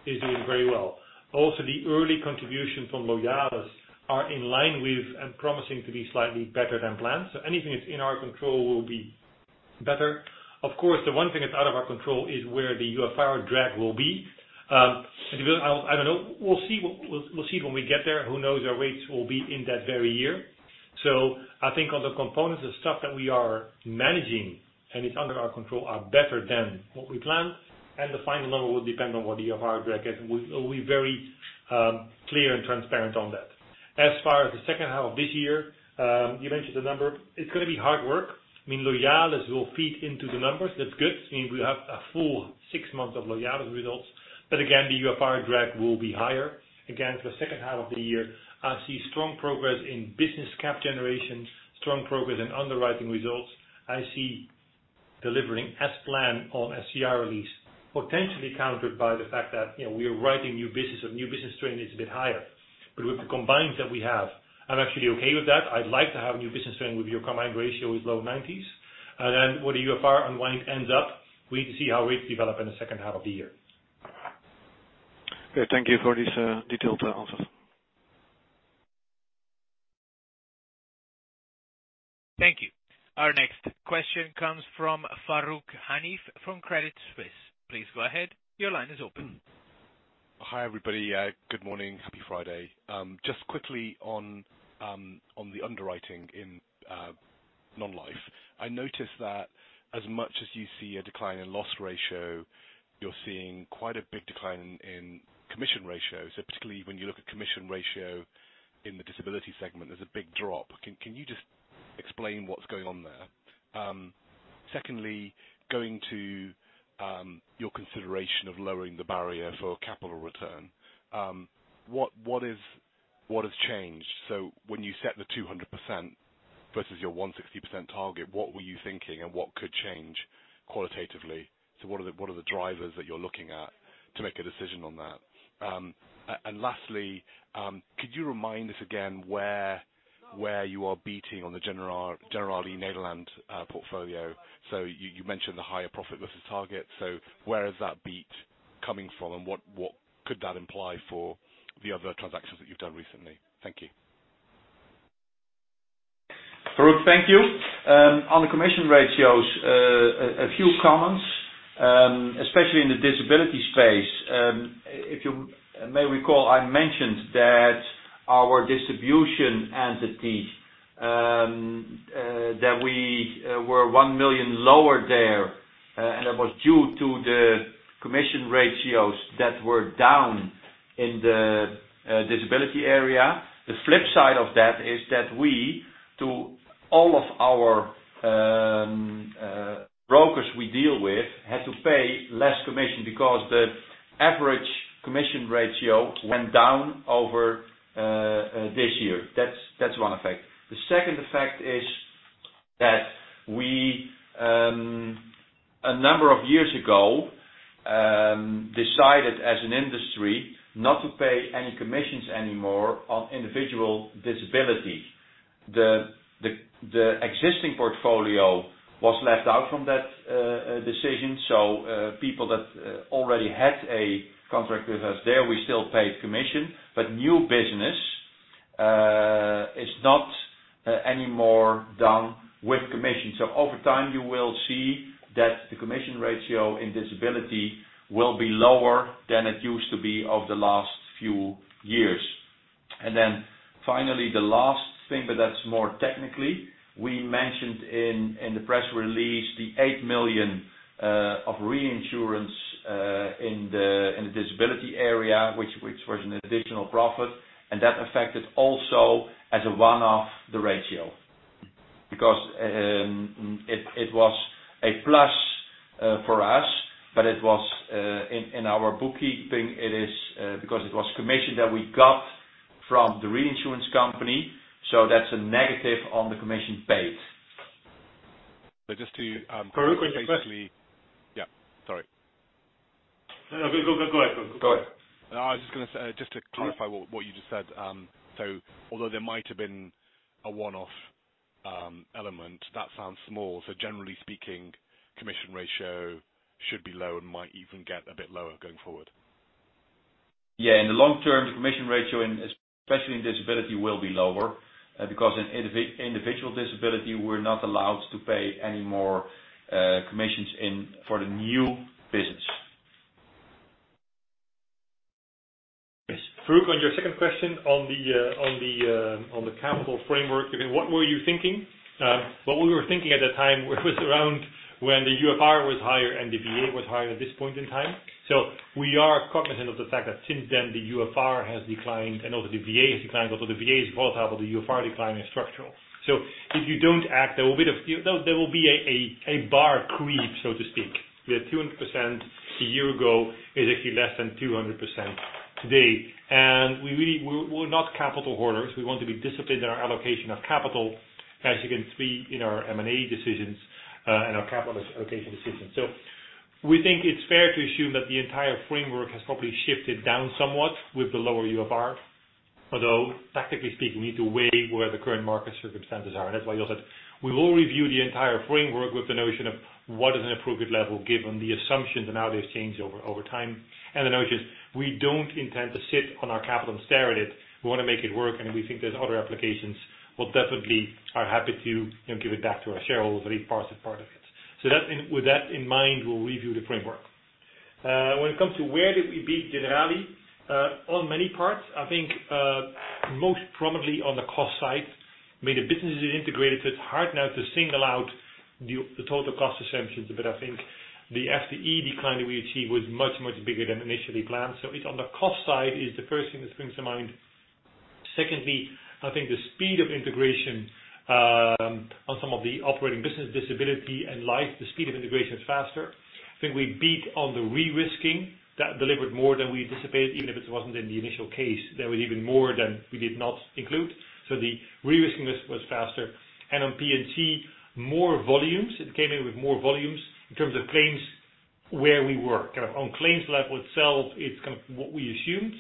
C: It's doing very well. Also, the early contributions from Loyalis are in line with and promising to be slightly better than planned. Anything that's in our control will be better. Of course, the one thing that's out of our control is where the UFR drag will be. I don't know. We'll see when we get there. Who knows? Our rates will be in that very year. I think on the components, the stuff that we are managing and is under our control are better than what we planned. The final number will depend on what the UFR drag is. We are very clear and transparent on that. As far as the second half of this year, you mentioned the number. It is going to be hard work. Loyalis will feed into the numbers. That is good. It means we have a full six months of Loyalis results. Again, the UFR drag will be higher. Again, for the second half of the year, I see strong progress in business CAP generation, strong progress in underwriting results. I see delivering as planned on SCR release, potentially countered by the fact that we are writing new business or new business trend is a bit higher. With the combined ratio that we have, I'm actually okay with that. I'd like to have new business trend with your combined ratio is low nineties. With the UFR and when it ends up, we need to see how rates develop in the second half of the year.
F: Okay. Thank you for these detailed answers.
A: Thank you. Our next question comes from Farooq Hanif from Credit Suisse. Please go ahead. Your line is open.
G: Hi, everybody. Good morning. Happy Friday. Just quickly on the underwriting in Non-Life, I noticed that as much as you see a decline in loss ratio, you're seeing quite a big decline in commission ratio. Particularly when you look at commission ratio in the disability segment, there's a big drop. Can you just explain what's going on there? Secondly, going to your consideration of lowering the barrier for capital return. What has changed? When you set the 200% versus your 160% target, what were you thinking and what could change qualitatively? What are the drivers that you're looking at to make a decision on that? Lastly, could you remind us again where you are beating on the Generali Nederland portfolio? You mentioned the higher profit versus target, where is that beat coming from and what could that imply for the other transactions that you've done recently? Thank you.
D: Farooq, thank you. On the commission ratios, a few comments, especially in the disability space. If you may recall, I mentioned that our distribution entity, that we were 1 million lower there, and it was due to the commission ratios that were down in the disability area. The flip side of that is that we, to all of our brokers we deal with, had to pay less commission because the average commission ratio went down over this year. That's one effect.
C: Decided as an industry not to pay any commissions anymore on individual disability. The existing portfolio was left out from that decision. People that already had a contract with us there, we still paid commission, but new business is not anymore done with commission. Over time you will see that the commission ratio in disability will be lower than it used to be over the last few years. Finally, the last thing, but that's more technically, we mentioned in the press release, the 8 million of reinsurance in the disability area, which was an additional profit, and that affected also as a one-off the ratio. It was a plus for us, but in our bookkeeping, because it was commission that we got from the reinsurance company, so that's a negative on the commission paid.
G: But just to-
D: Farooq, quick. Basically. Yeah, sorry. No, go ahead.
G: Go ahead. I was just going to say, just to clarify what you just said. Although there might have been a one-off element, that sounds small. Generally speaking, combined ratio should be low and might even get a bit lower going forward.
C: Yeah. In the long term, the commission ratio, especially in disability, will be lower, because in individual disability, we're not allowed to pay any more commissions for the new business.
D: Farooq, on your second question on the capital framework, what were you thinking? What we were thinking at that time was around when the UFR was higher and the VA was higher at this point in time. We are cognizant of the fact that since then the UFR has declined and also the VA has declined. Although the VA is volatile, the UFR decline is structural. If you don't act, there will be a bar creep, so to speak, where 200% a year ago is actually less than 200% today. We're not capital hoarders. We want to be disciplined in our allocation of capital, as you can see in our M&A decisions and our capital allocation decisions. We think it's fair to assume that the entire framework has probably shifted down somewhat with the lower UFR, although tactically speaking, we need to weigh where the current market circumstances are. That's why Jos said, we will review the entire framework with the notion of what is an appropriate level given the assumptions and how they've changed over time, and the notion we don't intend to sit on our capital and stare at it. We want to make it work, and we think there's other applications. We'll definitely are happy to give it back to our shareholders any parts of it. With that in mind, we'll review the framework. When it comes to where did we beat Generali, on many parts. I think, most prominently on the cost side. The businesses integrated, so it's hard now to single out the total cost assumptions. I think the FTE decline that we achieved was much, much bigger than initially planned. It on the cost side is the first thing that springs to mind. Secondly, I think the speed of integration on some of the operating business disability and life, the speed of integration is faster. I think we beat on the re-risking. That delivered more than we anticipated, even if it wasn't in the initial case. That was even more than we did not include. The re-risking was faster. On P&C, more volumes. It came in with more volumes in terms of claims where we were. On claims level itself, it's what we assumed,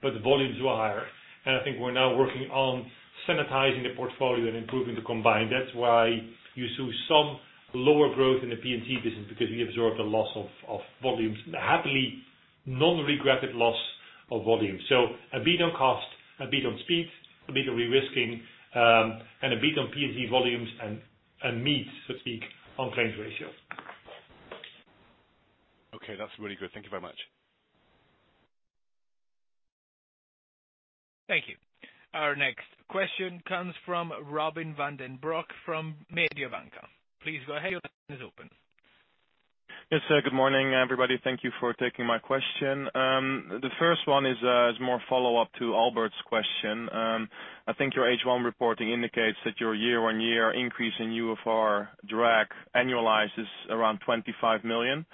D: but the volumes were higher. I think we're now working on sanitizing the portfolio and improving the combined. That's why you saw some lower growth in the P&C business, because we absorbed a loss of volumes. Happily non-regretted loss of volumes. A beat on cost, a beat on speed, a beat on re-risking, and a beat on P&C volumes and a meet, so to speak, on claims ratio.
G: Okay. That's really good. Thank you very much.
A: Thank you. Our next question comes from Robin van den Broek from Mediobanca. Please go ahead. Your line is open.
H: Yes, good morning, everybody. Thank you for taking my question. The first one is more follow-up to Albert's question. I think your H1 reporting indicates that your year-on-year increase in UFR drag annualize is around 25 million.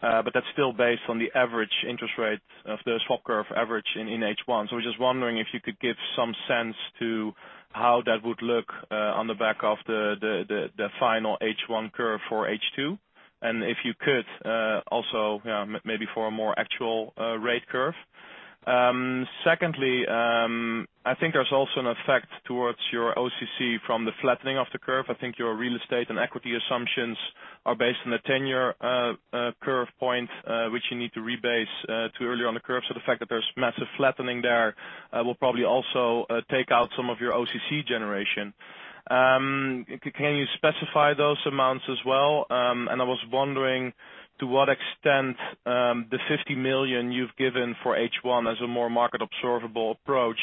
H: That's still based on the average interest rate of the swap curve average in H1. I was just wondering if you could give some sense to how that would look on the back of the final H1 curve for H2. If you could, also maybe for a more actual rate curve. Secondly, I think there's also an effect towards your OCC from the flattening of the curve. I think your real estate and equity assumptions are based on the 10-year curve point, which you need to rebase to earlier on the curve. The fact that there's massive flattening there will probably also take out some of your OCC generation. Can you specify those amounts as well? I was wondering to what extent the 50 million you've given for H1 as a more market observable approach,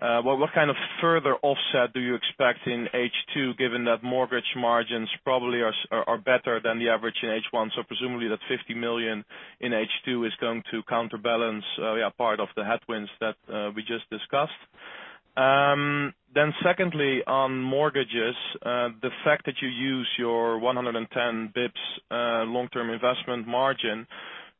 H: what kind of further offset do you expect in H2 given that mortgage margins probably are better than the average in H1? Presumably that 50 million in H2 is going to counterbalance part of the headwinds that we just discussed. Secondly, on mortgages, the fact that you use your 110 basis points long-term investment margin,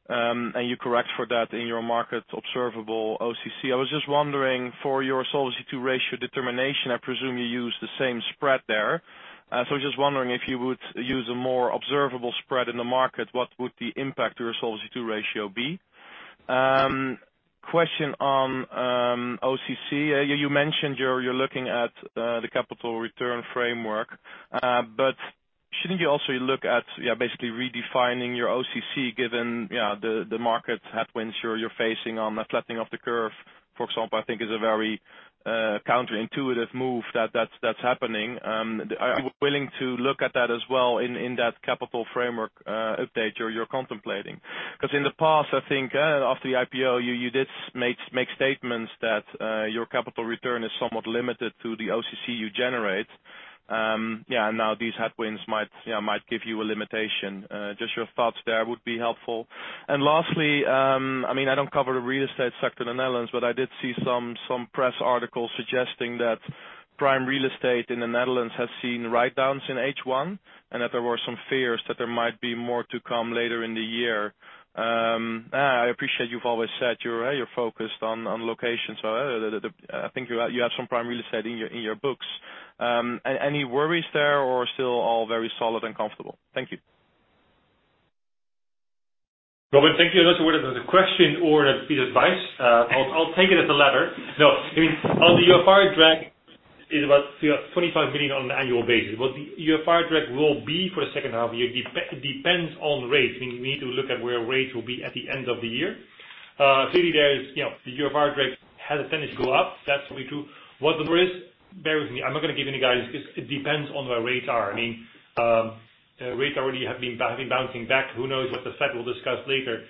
H: and you correct for that in your market observable OCC. I was just wondering for your Solvency II ratio determination, I presume you use the same spread there. I was just wondering if you would use a more observable spread in the market, what would the impact to your Solvency II ratio be? Question on OCC. You mentioned you're looking at the capital return framework, shouldn't you also look at basically redefining your OCC given the market headwinds you're facing on the flattening of the curve, for example, I think is a very counterintuitive move that's happening. Are you willing to look at that as well in that capital framework update you're contemplating? In the past, I think after the IPO, you did make statements that your capital return is somewhat limited to the OCC you generate. Now these headwinds might give you a limitation. Just your thoughts there would be helpful. Lastly, I don't cover the real estate sector in the Netherlands, but I did see some press articles suggesting that prime real estate in the Netherlands has seen write-downs in H1, and that there were some fears that there might be more to come later in the year. I appreciate you've always said you're focused on location. I think you have some prime real estate in your books. Any worries there or still all very solid and comfortable? Thank you.
D: Robin, thank you. I'm not sure whether that was a question or a piece of advice. I'll take it as the latter. On the UFR drag is about 25 million on an annual basis. What the UFR drag will be for the second half of the year depends on rates. We need to look at where rates will be at the end of the year. Clearly, the UFR drag has a tendency to go up. That's probably true. What the number is, bear with me, I'm not going to give any guidance because it depends on where rates are. Rates already have been bouncing back. Who knows what the Fed will discuss later.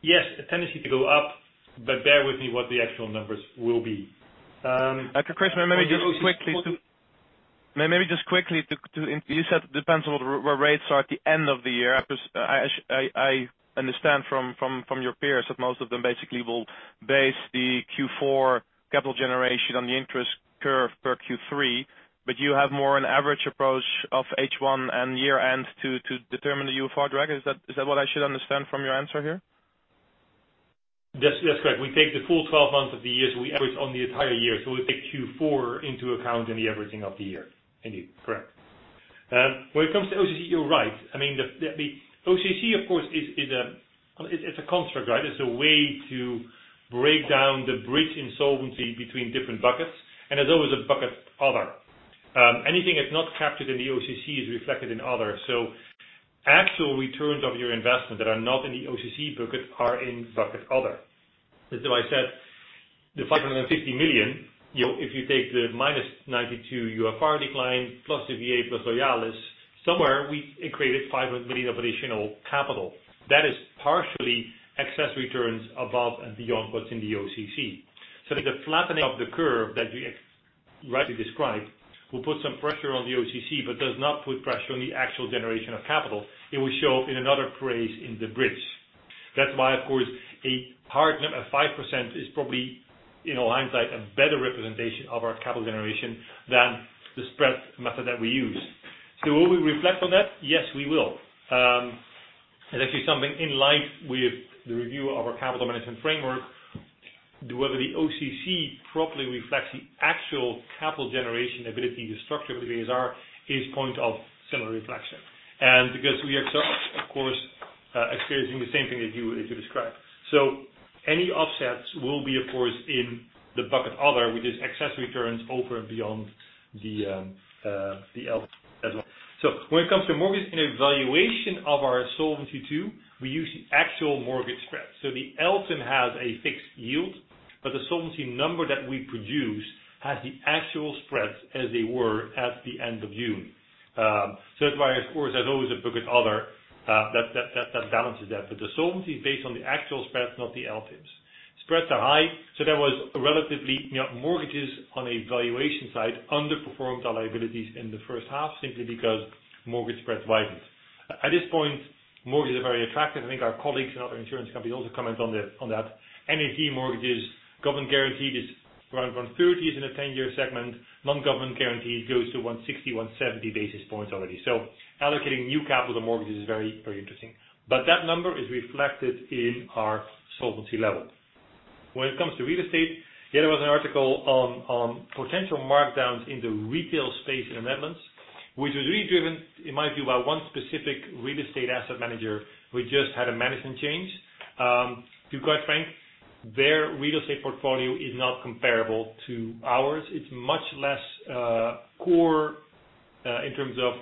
D: Yes, a tendency to go up, but bear with me what the actual numbers will be.
H: Chris, maybe just quickly. You said it depends on where rates are at the end of the year. I understand from your peers that most of them basically will base the Q4 Capital Generation on the interest curve per Q3, but you have more an average approach of H1 and year-end to determine the UFR drag. Is that what I should understand from your answer here?
D: That's correct. We take the full 12 months of the year, so we average on the entire year. We take Q4 into account in the averaging of the year. Indeed. Correct. When it comes to OCC, you're right. OCC, of course, it's a construct. It's a way to break down the bridge in solvency between different buckets, and there's always a bucket other. Anything that's not captured in the OCC is reflected in other. Actual returns of your investment that are not in the OCC bucket are in bucket other. That's why I said the 550 million, if you take the -92 UFR decline plus the VA plus Loyalis, somewhere we created 500 million of additional capital. That is partially excess returns above and beyond what's in the OCC. I think the flattening of the curve that you rightly described will put some pressure on the OCC but does not put pressure on the actual generation of capital. It will show up in another place in the bridge. That's why, of course, a hard number of 5% is probably, in hindsight, a better representation of our capital generation than the spread method that we use. Will we reflect on that? Yes, we will. It's actually something in line with the review of our capital management framework, whether the OCC properly reflects the actual capital generation ability, the structure of the a.s.r. is point of similar reflection. Because we are of course, experiencing the same thing as you described. Any offsets will be, of course, in the bucket other, which is excess returns over and beyond the as well. When it comes to mortgage and evaluation of our Solvency II, we use the actual mortgage spread. The LTG has a fixed yield, but the solvency number that we produce has the actual spreads as they were at the end of June. That's why, of course, there's always a bucket other that balances that. The solvency is based on the actual spreads, not the LTGs. Spreads are high. There was relatively, mortgages on a valuation side underperformed our liabilities in the first half simply because mortgage spreads widened. At this point, mortgages are very attractive. I think our colleagues in other insurance companies also comment on that. Any fee mortgages, government guarantees around 130 is in a 10-year segment. Non-government guarantees goes to 160, 170 basis points already. Allocating new capital to mortgages is very interesting. That number is reflected in our solvency level. When it comes to real estate, there was an article on potential markdowns in the retail space in the Netherlands, which was really driven, in my view, by one specific real estate asset manager who just had a management change. To be quite frank, their real estate portfolio is not comparable to ours. It's much less core in terms of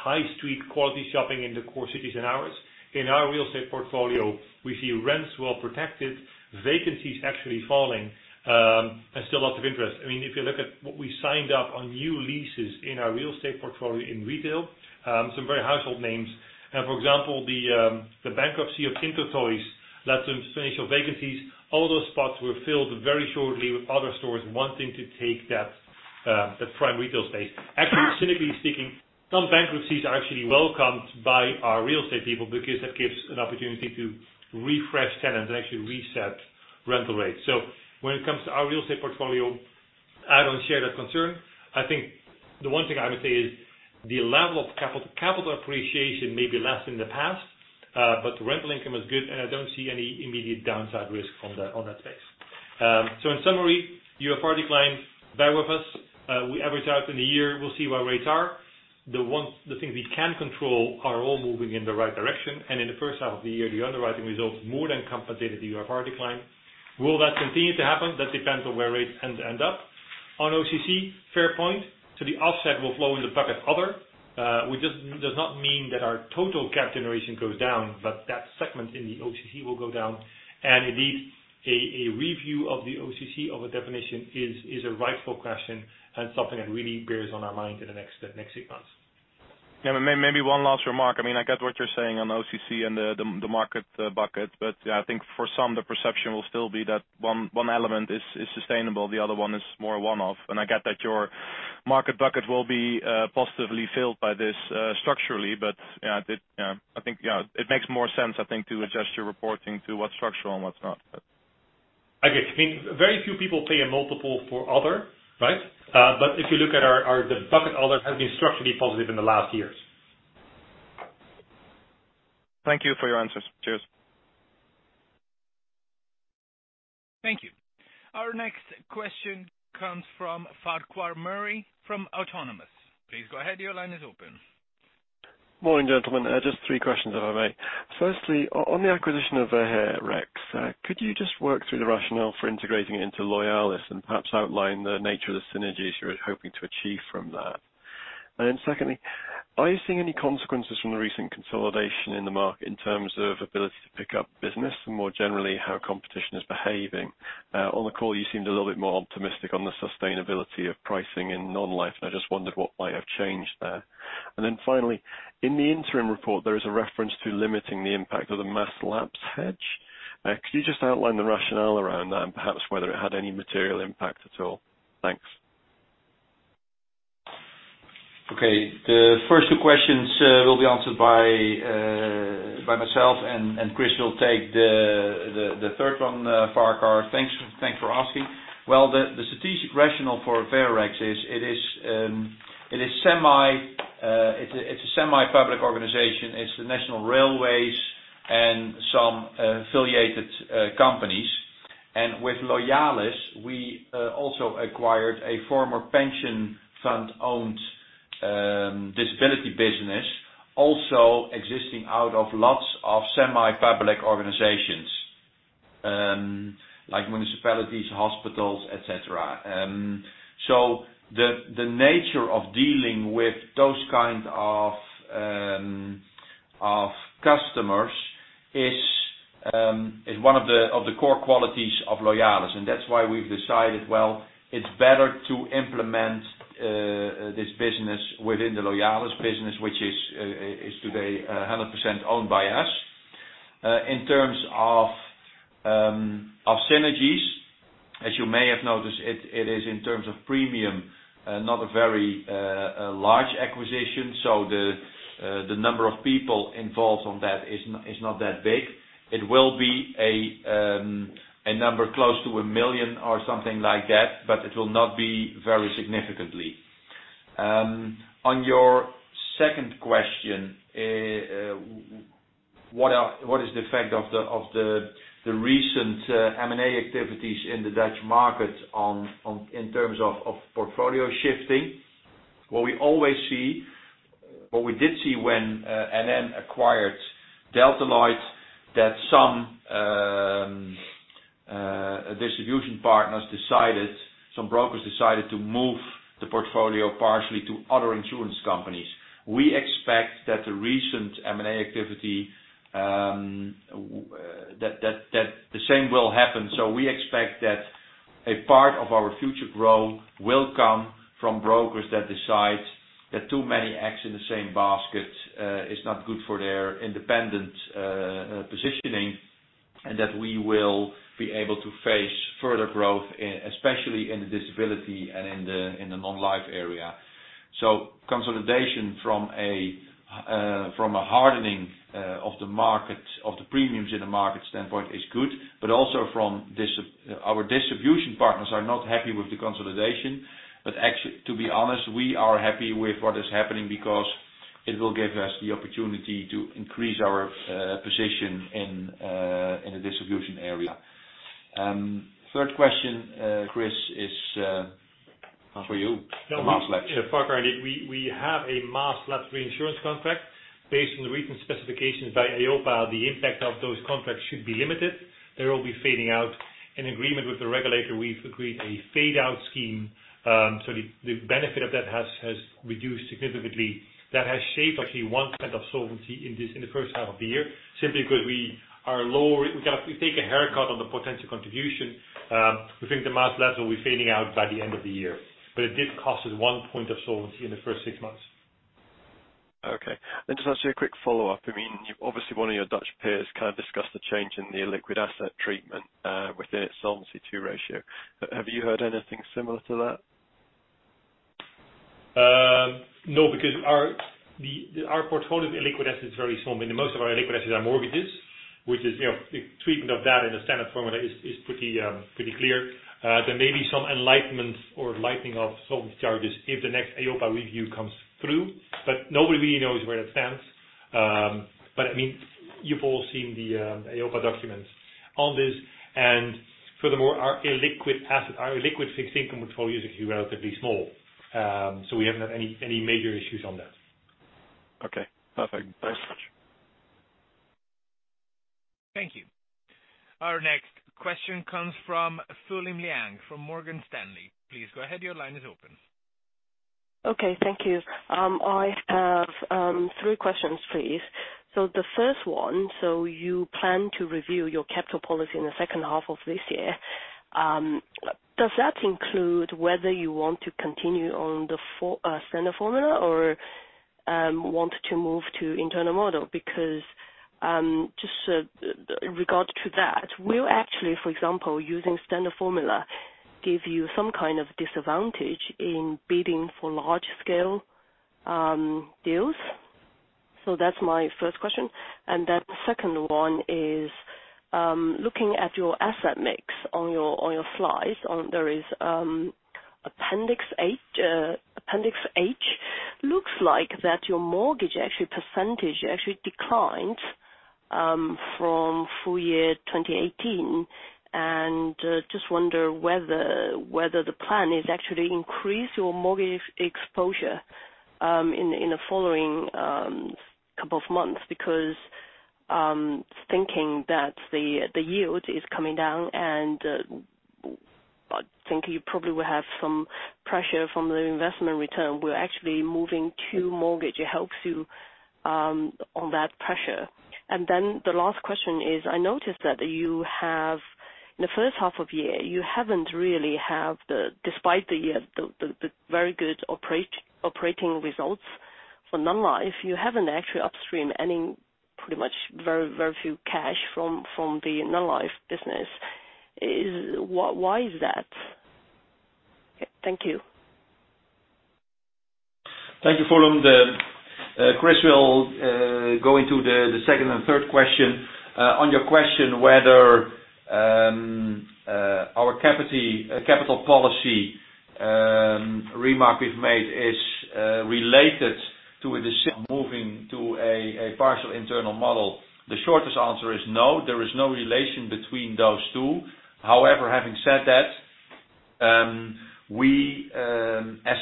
D: high-street quality shopping in the core cities than ours. In our real estate portfolio, we see rents well protected, vacancies actually falling, and still lots of interest. If you look at what we signed up on new leases in our real estate portfolio in retail, some very household names. For example, the bankruptcy of Intertoys led them to finish off vacancies. All those spots were filled very shortly with other stores wanting to take that prime retail space. Actually, cynically speaking, some bankruptcies are actually welcomed by our real estate people because that gives an opportunity to refresh tenants and actually reset rental rates. When it comes to our real estate portfolio, I don't share that concern. I think the one thing I would say is the level of capital appreciation may be less than the past, but the rental income is good, and I don't see any immediate downside risk on that space. In summary, UFR decline, bear with us. We average out in a year, we'll see where rates are. The things we can control are all moving in the right direction, and in the first half of the year, the underwriting results more than compensated the UFR decline. Will that continue to happen? That depends on where rates end up. On OCC, fair point. The offset will flow in the bucket other. Which does not mean that our total Capital Generation goes down, but that segment in the OCC will go down. Indeed, a review of the OCC, of a definition is a rightful question and something that really bears on our mind in the next six months.
H: Yeah. Maybe one last remark. I get what you're saying on OCC and the market bucket. I think for some, the perception will still be that one element is sustainable, the other one is more a one-off. I get that your market bucket will be positively filled by this structurally, but I think it makes more sense to adjust your reporting to what's structural and what's not.
D: I get it. Very few people pay a multiple for other, right? If you look at The bucket other has been structurally positive in the last years.
H: Thank you for your answers. Cheers.
A: Thank you. Our next question comes from Farquhar Murray from Autonomous. Please go ahead. Your line is open.
I: Morning, gentlemen. Just three questions, if I may. Firstly, on the acquisition of Veherex, could you just work through the rationale for integrating it into Loyalis, and perhaps outline the nature of the synergies you're hoping to achieve from that? Secondly, are you seeing any consequences from the recent consolidation in the market in terms of ability to pick up business and more generally, how competition is behaving? On the call, you seemed a little bit more optimistic on the sustainability of pricing in Non-Life, and I just wondered what might have changed there. Finally, in the interim report, there is a reference to limiting the impact of the mass lapse hedge. Could you just outline the rationale around that and perhaps whether it had any material impact at all? Thanks.
C: Okay. The first two questions will be answered by myself, Chris will take the third one, Farquhar. Thanks for asking. Well, the strategic rationale for Veherex is it's a semi-public organization. It's the national railways and some affiliated companies. With Loyalis, we also acquired a former pension fund-owned disability business, also existing out of lots of semi-public organizations, like municipalities, hospitals, et cetera. The nature of dealing with those kinds of customers is one of the core qualities of Loyalis. That's why we've decided, well, it's better to implement this business within the Loyalis business, which is today 100% owned by us. In terms of synergies, as you may have noticed, it is in terms of premium, not a very large acquisition, so the number of people involved on that is not that big. It will be a number close to 1 million or something like that, but it will not be very significantly. On your second question, what is the effect of the recent M&A activities in the Dutch market in terms of portfolio shifting? What we did see when NN acquired Delta Lloyd, that some distribution partners decided, some brokers decided to move the portfolio partially to other insurance companies. We expect that the recent M&A activity, that the same will happen. We expect that a part of our future growth will come from brokers that decide that too many eggs in the same basket is not good for their independent positioning, and that we will be able to face further growth, especially in the disability and in the Non-Life area. Consolidation from a hardening of the premiums in the market standpoint is good, but also our distribution partners are not happy with the consolidation. To be honest, we are happy with what is happening because it will give us the opportunity to increase our position in the distribution area. Third question, Chris, is for you. The mass lapse.
D: Farquhar, we have a mass lapse reinsurance contract. Based on the recent specifications by EIOPA, the impact of those contracts should be limited. They will be fading out. In agreement with the regulator, we've agreed a fadeout scheme, so the benefit of that has reduced significantly. That has shaved actually one point of solvency in the first half of the year, simply because we take a haircut on the potential contribution. We think the mass lapse will be fading out by the end of the year. It did cost us one point of solvency in the first six months.
I: Okay. Just actually a quick follow-up. Obviously, one of your Dutch peers kind of discussed the change in the illiquid asset treatment within its Solvency II ratio. Have you heard anything similar to that?
D: No, because our portfolio illiquid asset is very small. Most of our illiquid assets are mortgages, which the treatment of that in the standard formula is pretty clear. There may be some enlightenment or lightening of solvency charges if the next EIOPA review comes through. Nobody really knows where it stands. You've all seen the EIOPA documents on this, and furthermore, our illiquid fixed income portfolio is actually relatively small. We haven't had any major issues on that.
I: Okay, perfect. Thanks so much.
A: Thank you. Our next question comes from Fulin Liang from Morgan Stanley. Please go ahead. Your line is open.
J: Okay, thank you. I have three questions, please. The first one, you plan to review your capital policy in the second half of this year. Does that include whether you want to continue on the standard formula or want to move to internal model? Just regard to that, will actually, for example, using standard formula, give you some kind of disadvantage in bidding for large scale deals? That's my first question. The second one is, looking at your asset mix on your slides, there is appendix H. Looks like that your mortgage percentage actually declined from full year 2018. Just wonder whether the plan is actually increase your mortgage exposure in the following couple of months, because thinking that the yield is coming down and I think you probably will have some pressure from the investment return will actually moving to mortgage helps you on that pressure. The last question is, I noticed that you have, in the first half of year, you haven't really have despite the very good operating results for Non-Life, you haven't actually upstream any, pretty much very few cash from the Non-Life business. Why is that? Thank you.
C: Thank you, Fulin. Chris will go into the second and third question. On your question whether our capital policy remark we've made is related to a decision of moving to a partial internal model. The shortest answer is no, there is no relation between those two. Having said that, as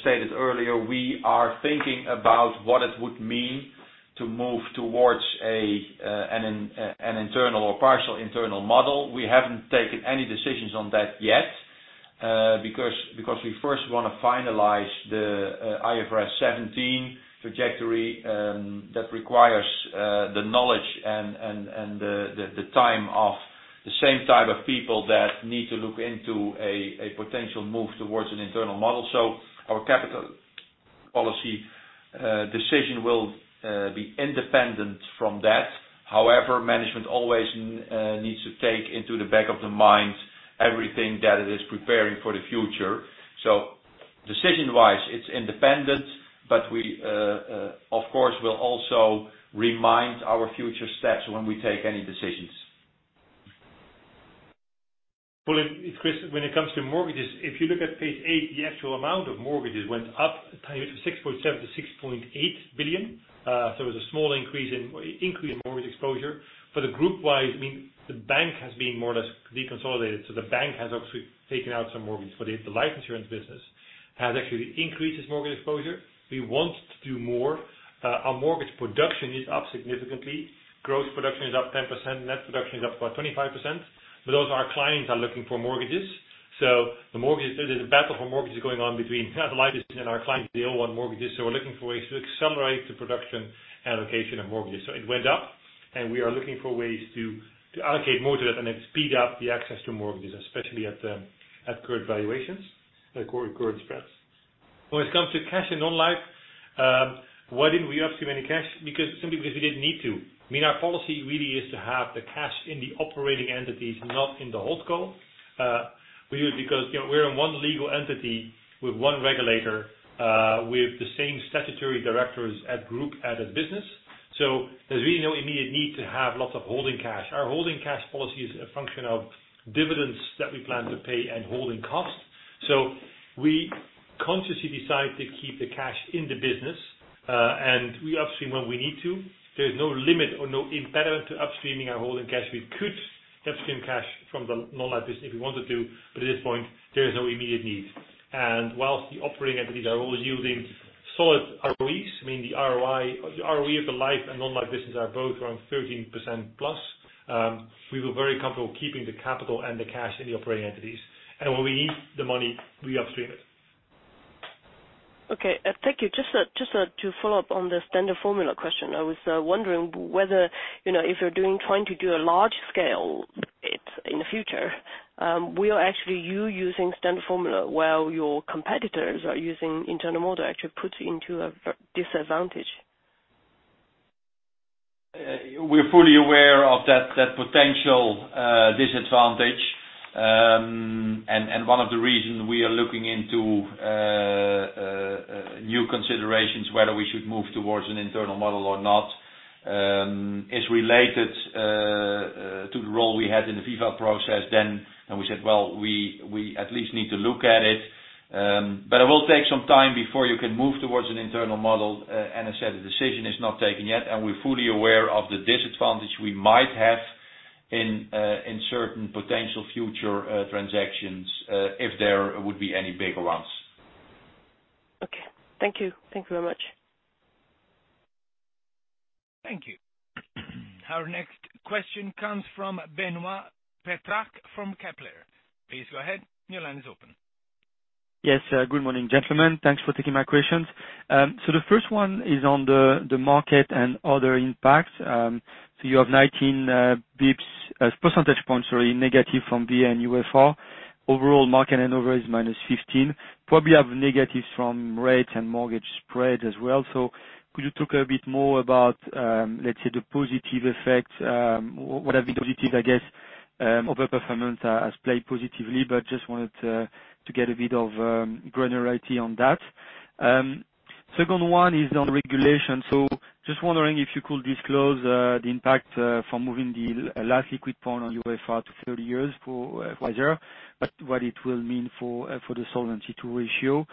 C: stated earlier, we are thinking about what it would mean to move towards an internal or partial internal model. We haven't taken any decisions on that yet, because we first want to finalize the IFRS 17 trajectory, that requires the knowledge and the time of the same type of people that need to look into a potential move towards an internal model. Our capital policy decision will be independent from that. Management always needs to take into the back of the mind everything that it is preparing for the future. Decision-wise, it's independent, but we of course, will also remind our future steps when we take any decisions.
D: Fulin, it's Chris. When it comes to mortgages, if you look at page eight, the actual amount of mortgages went up to 6.7 billion-6.8 billion. It was a small increase in mortgage exposure. For the group-wise, the bank has been more or less deconsolidated. The bank has obviously taken out some mortgages. The life insurance business has actually increased its mortgage exposure. We want to do more. Our mortgage production is up significantly. Growth production is up 10%, net production is up about 25%. Also our clients are looking for mortgages. There's a battle for mortgages going on between the life insurance and our clients. They all want mortgages. We're looking for ways to accelerate the production and allocation of mortgages. It went up, and we are looking for ways to allocate more to that and then speed up the access to mortgages, especially at current valuations, at current spreads. When it comes to cash and Non-Life, why didn't we have too many cash? Simply because we didn't need to. Our policy really is to have the cash in the operating entities, not in the HoldCo. We do it because we're in one legal entity with one regulator, with the same statutory directors at group, at a business. There's really no immediate need to have lots of holding cash. Our holding cash policy is a function of dividends that we plan to pay and holding costs. We consciously decide to keep the cash in the business, and we upstream when we need to. There's no limit or no impediment to upstreaming our holding cash. We could upstream cash from the Non-Life business if we wanted to. At this point, there is no immediate need. Whilst the operating entities are all yielding solid ROEs, the ROE of the life and Non-Life business are both around 13%+. We were very comfortable keeping the capital and the cash in the operating entities. When we need the money, we upstream it.
J: Okay. Thank you. Just to follow up on the standard formula question. I was wondering whether if you're trying to do a large scale bid in the future, will actually you using standard formula while your competitors are using internal model actually puts you into a disadvantage?
C: We're fully aware of that potential disadvantage.
D: New considerations whether we should move towards an internal model or not, is related to the role we had in the Vivat process then. We said, "Well, we at least need to look at it." It will take some time before you can move towards an internal model. I said a decision is not taken yet, and we're fully aware of the disadvantage we might have in certain potential future transactions, if there would be any bigger ones.
J: Okay. Thank you. Thank you very much.
A: Thank you. Our next question comes from Benoît Pétrarque from Kepler. Please go ahead. Your line is open.
K: Yes. Good morning, gentlemen. Thanks for taking my questions. The first one is on the market and other impacts. You have 19 basis points, percentage points, sorry, negative from DB and UFR. Overall market and other is minus 15. Probably have negatives from rates and mortgage spreads as well. Could you talk a bit more about, let's say, the positive effects, what are the positives, I guess, over performance has played positively, but just wanted to get a bit of granularity on that. Second one is on regulation. Just wondering if you could disclose the impact from moving the last liquid point on UFR to 30 years for a.s.r., but what it will mean for the Solvency II ratio.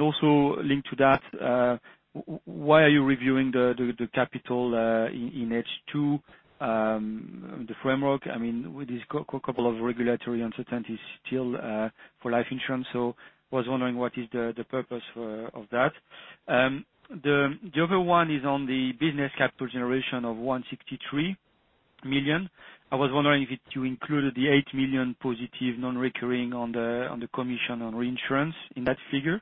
K: Also linked to that, why are you reviewing the capital in H2, the framework? I mean, with this couple of regulatory uncertainties still for life insurance. Was wondering what is the purpose of that. The other one is on the business Capital Generation of 163 million. I was wondering if you included the 8 million positive non-recurring on the commission on reinsurance in that figure.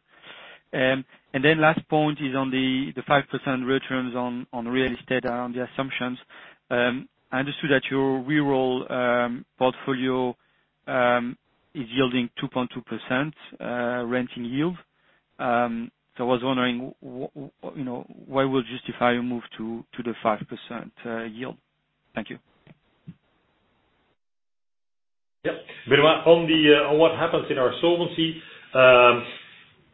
K: Last point is on the 5% returns on real estate and on the assumptions. I understood that your real estate portfolio is yielding 2.2% renting yield. I was wondering why we will justify a move to the 5% yield. Thank you.
D: Yeah. Benoit, on what happens in our solvency,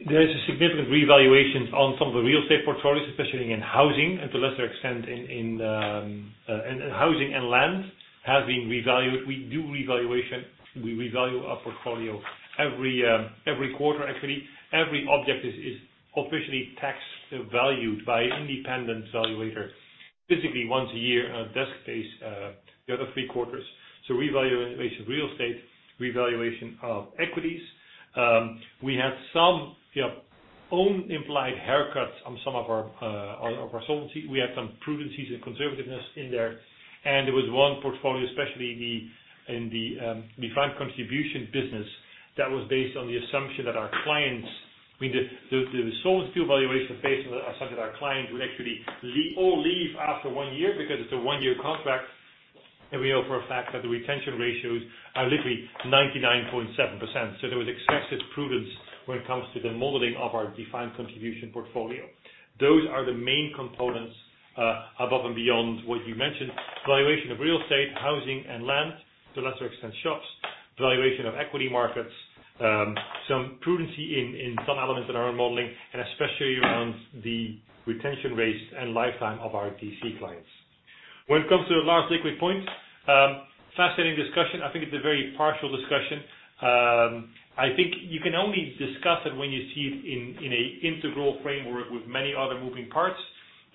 D: there is a significant revaluation on some of the real estate portfolios, especially in housing. Housing and land have been revalued. We revalue our portfolio every quarter. Actually, every object is officially taxed and valued by independent valuator, physically once a year on a desk base, the other three quarters. Revaluation of real estate, revaluation of equities. We have some own implied haircuts on some of our solvency. We have some prudencies and conservativeness in there. There was one portfolio, especially in the defined contribution business, that was based on the assumption that our clients, I mean, the solvency evaluation based on the assumption that our clients would actually all leave after one year because it's a one-year contract. We know for a fact that the retention ratios are literally 99.7%. There was excessive prudence when it comes to the modeling of our defined contribution portfolio. Those are the main components above and beyond what you mentioned. Valuation of real estate, housing, and land, to a lesser extent, shops, valuation of equity markets, some prudence in some elements in our own modeling, and especially around the retention rates and lifetime of our DC clients. When it comes to the last liquid point, fascinating discussion. I think it's a very partial discussion. I think you can only discuss it when you see it in an integral framework with many other moving parts.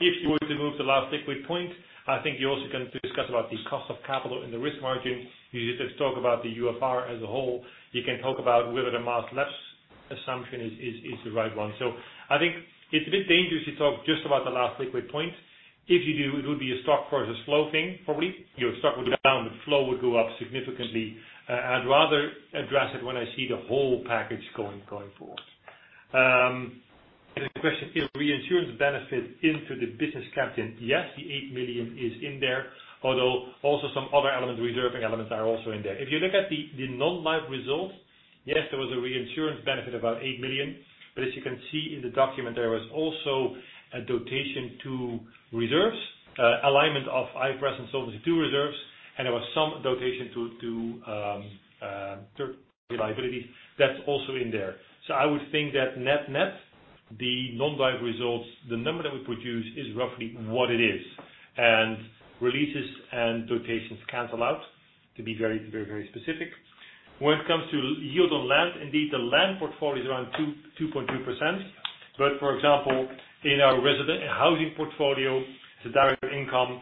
D: If you were to move the last liquid point, I think you're also going to discuss the cost of capital in the risk margin. You just talk about the UFR as a whole. You can talk about whether the last lapse assumption is the right one. I think it is a bit dangerous to talk just about the last liquid point. If you do, it would be a stock versus flow thing, probably. Your stock would go down, the flow would go up significantly. I would rather address it when I see the whole package going forward. The question, if reinsurance benefit into the business capital. Yes, the 8 million is in there, although also some other elements, reserving elements are also in there. If you look at the Non-Life results, yes, there was a reinsurance benefit about 8 million. As you can see in the document, there was also a donation to reserves, alignment of IFRS and Solvency II reserves, and there was some donation to third liabilities that's also in there. I would think that net-net, the Non-Life results, the number that we produce is roughly what it is. Releases and donations cancel out to be very specific. When it comes to yield on land, indeed, the land portfolio is around 2.2%. For example, in our housing portfolio, it's a direct income.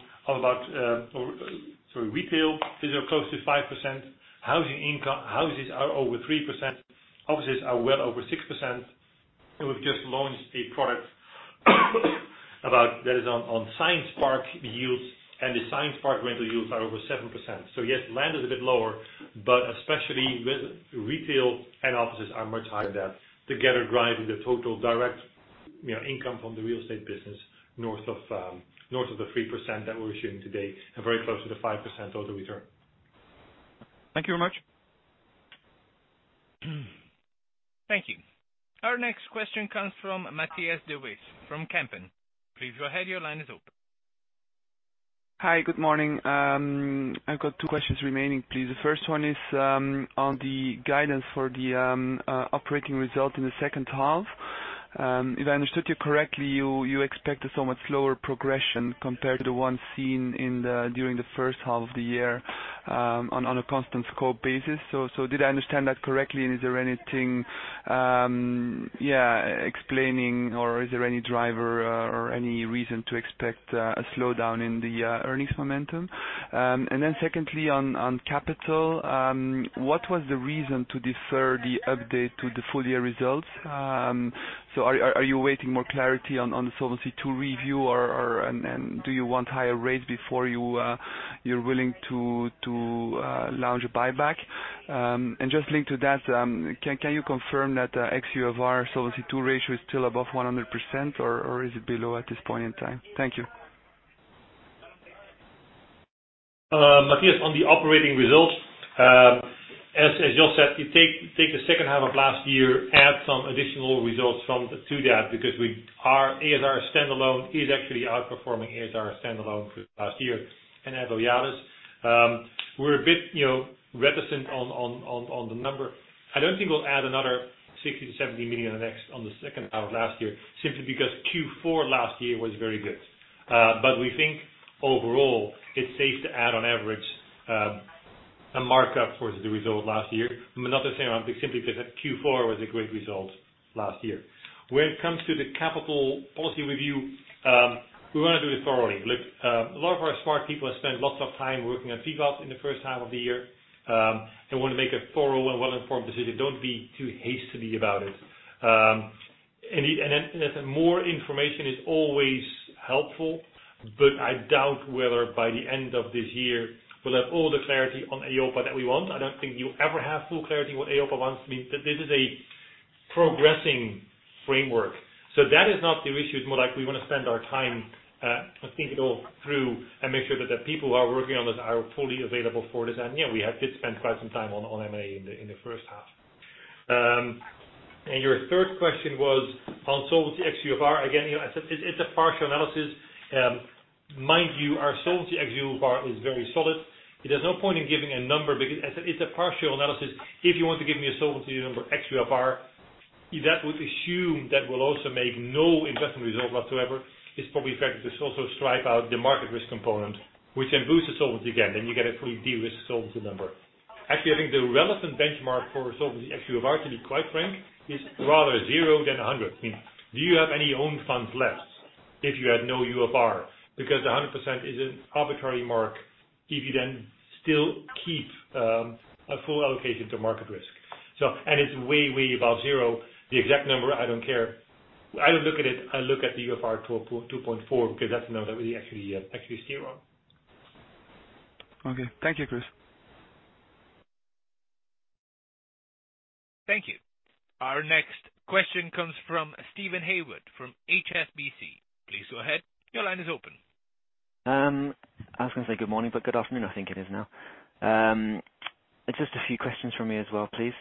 D: Retail is close to 5%. Housing income, houses are over 3%. Offices are well over 6%. We've just launched a product that is on science park yields, and the science park rental yields are over 7%. Yes, land is a bit lower, but especially with retail and offices are much higher than together driving the total direct income from the real estate business north of the 3% that we're issuing today and very close to the 5% total return.
K: Thank you very much.
A: Thank you. Our next question comes from Matthias de Wijs from Kempen. Please go ahead, your line is open.
L: Hi. Good morning. I've got two questions remaining, please. The first one is on the guidance for the operating result in the second half. If I understood you correctly, you expect a somewhat slower progression compared to the one seen during the first half of the year on a constant scope basis. Did I understand that correctly, and is there anything explaining, or is there any driver or any reason to expect a slowdown in the earnings momentum? Secondly, on capital. What was the reason to defer the update to the full year results? Are you awaiting more clarity on the Solvency II review, or do you want higher rates before you're willing to launch a buyback? Just linked to that, can you confirm that ex UFR Solvency II ratio is still above 100%, or is it below at this point in time? Thank you.
D: Matthias, on the operating results, as you said, take the second half of last year, add some additional results to that because our a.s.r. standalone is actually outperforming a.s.r. standalone for the past year and add Loyalis. We're a bit reticent on the number. I don't think we'll add another 60 million to 70 million on the second half of last year, simply because Q4 last year was very good. We think overall it's safe to add on average, a markup for the result last year, but not the same simply because Q4 was a great result last year. When it comes to the capital policy review, we want to do it thoroughly. A lot of our smart people have spent lots of time working on Vivat in the first half of the year. They want to make a thorough and well-informed decision. Don't be too hastily about it. More information is always helpful, but I doubt whether by the end of this year we'll have all the clarity on EIOPA that we want. I don't think you'll ever have full clarity what EIOPA wants. This is a progressing framework. That is not the issue. It's more like we want to spend our time, think it all through and make sure that the people who are working on this are fully available for this. Yeah, we did spend quite some time on M&A in the first half. Your third question was on Solvency ex UFR. Again, it's a partial analysis. Mind you, our Solvency ex UFR is very solid. There's no point in giving a number because it's a partial analysis. If you want to give me a Solvency number, ex UFR, that would assume that we'll also make no investment results whatsoever. It's probably fair to also strip out the market risk component, which then boosts the solvency again, then you get a fully de-risked solvency number. Actually, I think the relevant benchmark for solvency, ex UFR, to be quite frank, is rather zero than 100. I mean, do you have any own funds left if you had no UFR? 100% is an arbitrary mark if you then still keep a full allocation to market risk. It's way above zero. The exact number, I don't care. I don't look at it. I look at the UFR 2.4, because that's the number that we actually steer on.
L: Okay. Thank you, Chris.
A: Thank you. Our next question comes from Steven Haywood from HSBC. Please go ahead. Your line is open.
M: I was going to say good morning, but good afternoon I think it is now. Just a few questions from me as well, please.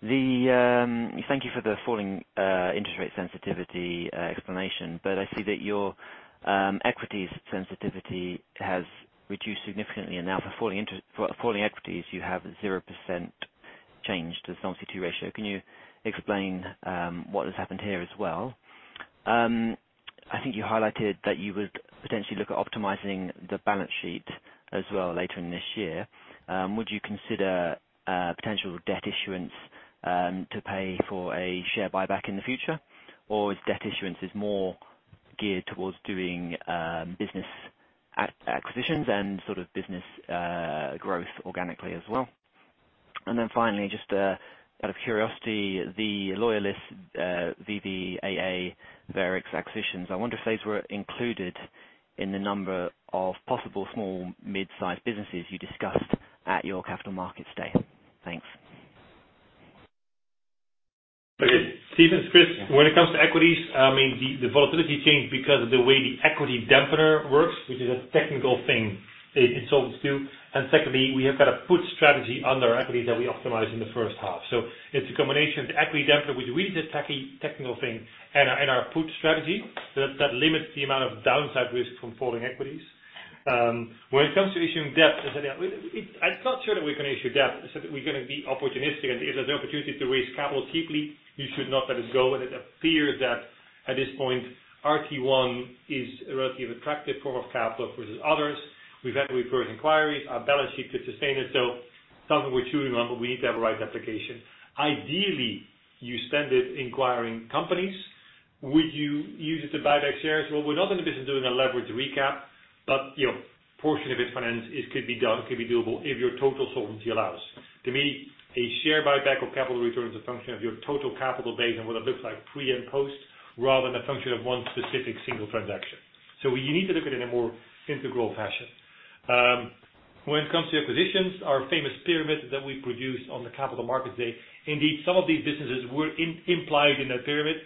M: Thank you for the falling interest rate sensitivity explanation. I see that your equities sensitivity has reduced significantly and now for falling equities, you have 0% change to Solvency II ratio. Can you explain what has happened here as well? I think you highlighted that you would potentially look at optimizing the balance sheet as well later in this year. Would you consider potential debt issuance to pay for a share buyback in the future, is debt issuance more geared towards doing business acquisitions and sort of business growth organically as well? Finally, just out of curiosity, the Loyalis, VvAA, Veherex acquisitions, I wonder if those were included in the number of possible small mid-size businesses you discussed at your Capital Markets Day. Thanks.
D: Okay. Steven, it's Chris. When it comes to equities, I mean, the volatility changed because of the way the equity dampener works, which is a technical thing in Solvency II. Secondly, we have got a put strategy under equity that we optimized in the first half. It's a combination of the equity dampener, which really is a technical thing, and our put strategy that limits the amount of downside risk from falling equities. When it comes to issuing debt, it's not sure that we're going to issue debt. I said that we're going to be opportunistic, and if there's an opportunity to raise capital cheaply, you should not let it go. It appears that at this point, RT1 is a relatively attractive form of capital versus others. We've had inquiries. Our balance sheet could sustain it. Something we're chewing on, but we need to have the right application. Ideally, you spend it inquiring companies. Would you use it to buy back shares? We're not in the business of doing a leverage recap, but portion of it finance, it could be done. It could be doable if your total solvency allows. To me, a share buyback or capital return is a function of your total capital base and what it looks like pre and post, rather than a function of one specific single transaction. We need to look at it in a more integral fashion. When it comes to acquisitions, our famous pyramid that we produced on the Capital Markets Day, indeed, some of these businesses were implied in that pyramid.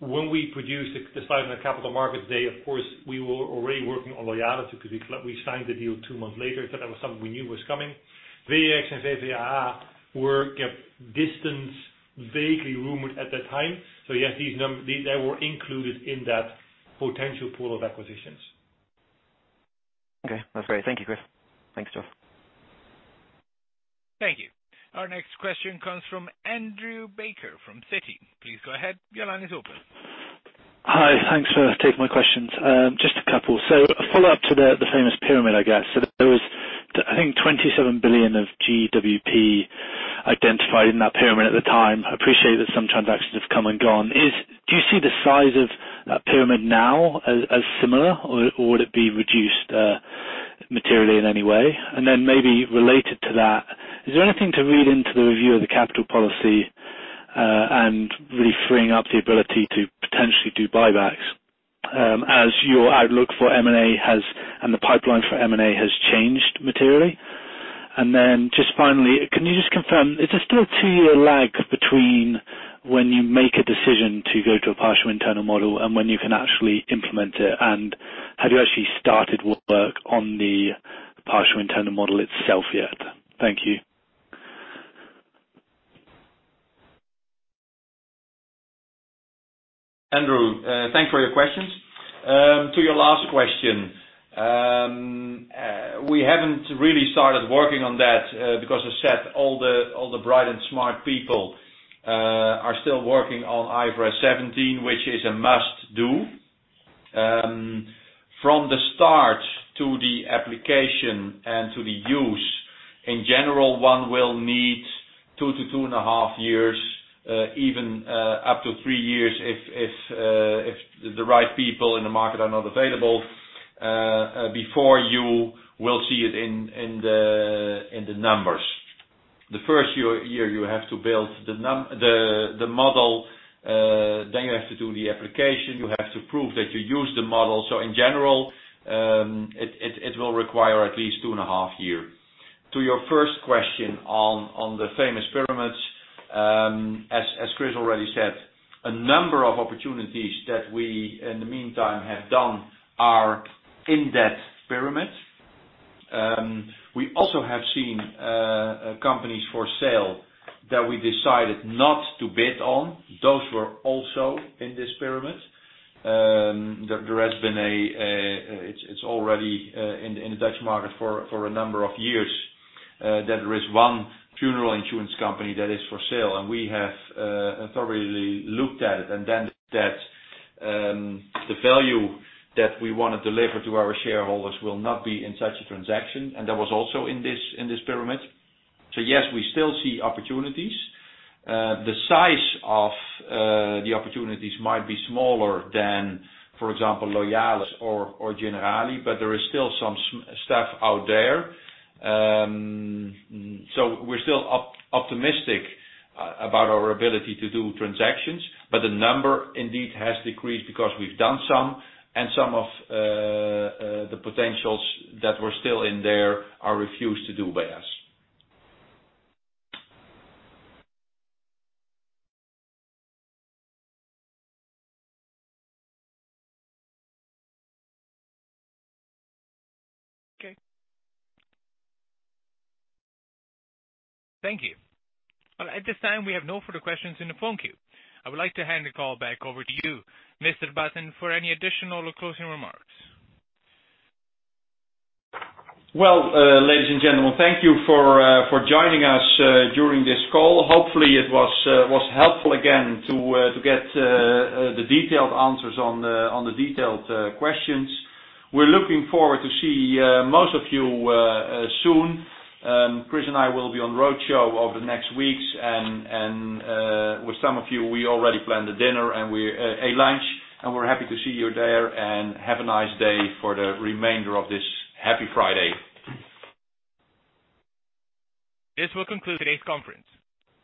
D: When we produced the slide on the Capital Markets Day, of course, we were already working on Loyalis because we signed the deal two months later. That was something we knew was coming. Veherex and VvAA were kept distant, vaguely rumored at that time. Yes, they were included in that potential pool of acquisitions.
M: Okay. That's great. Thank you, Chris. Thanks, Jos.
A: Thank you. Our next question comes from Andrew Baker from Citi. Please go ahead. Your line is open.
N: Hi. Thanks for taking my questions. Just a couple. A follow-up to the famous pyramid, I guess. There was, I think, 27 billion of GWP identified in that pyramid at the time. I appreciate that some transactions have come and gone. Do you see the size of that pyramid now as similar, or would it be reduced materially in any way? Maybe related to that, is there anything to read into the review of the capital policy and really freeing up the ability to potentially do buybacks as your outlook for M&A and the pipeline for M&A has changed materially? Just finally, can you just confirm, is there still a 2-year lag between when you make a decision to go to a partial internal model and when you can actually implement it? Have you actually started work on the partial internal model itself yet? Thank you.
C: Andrew, thanks for your questions. To your last question, we haven't really started working on that because as I said, all the bright and smart people are still working on IFRS 17, which is a must-do. From the start to the application and to the use, in general, one will need two to two and a half years, even up to three years if the right people in the market are not available, before you will see it in the numbers. The first year you have to build the model, then you have to do the application. You have to prove that you use the model. In general, it will require at least two and a half years. To your first question on the famous pyramids. As Chris already said, a number of opportunities that we, in the meantime, have done are in that pyramid. We also have seen companies for sale that we decided not to bid on. Those were also in this pyramid. It's already in the Dutch market for a number of years, that there is one funeral insurance company that is for sale, and we have thoroughly looked at it, and then that the value that we want to deliver to our shareholders will not be in such a transaction, and that was also in this pyramid. Yes, we still see opportunities. The size of the opportunities might be smaller than, for example, Loyalis or Generali, but there is still some stuff out there. We're still optimistic about our ability to do transactions, but the number indeed has decreased because we've done some, and some of the potentials that were still in there are refused to do by us.
A: Okay. Thank you. At this time, we have no further questions in the phone queue. I would like to hand the call back over to you, Mr. Baeten, for any additional or closing remarks.
C: Well, ladies and gentlemen, thank you for joining us during this call. Hopefully, it was helpful again to get the detailed answers on the detailed questions. We're looking forward to see most of you soon. Chris and I will be on road show over the next weeks. With some of you, we already planned a dinner and a lunch. We're happy to see you there. Have a nice day for the remainder of this happy Friday.
A: This will conclude today's conference.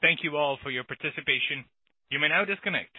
A: Thank you all for your participation. You may now disconnect.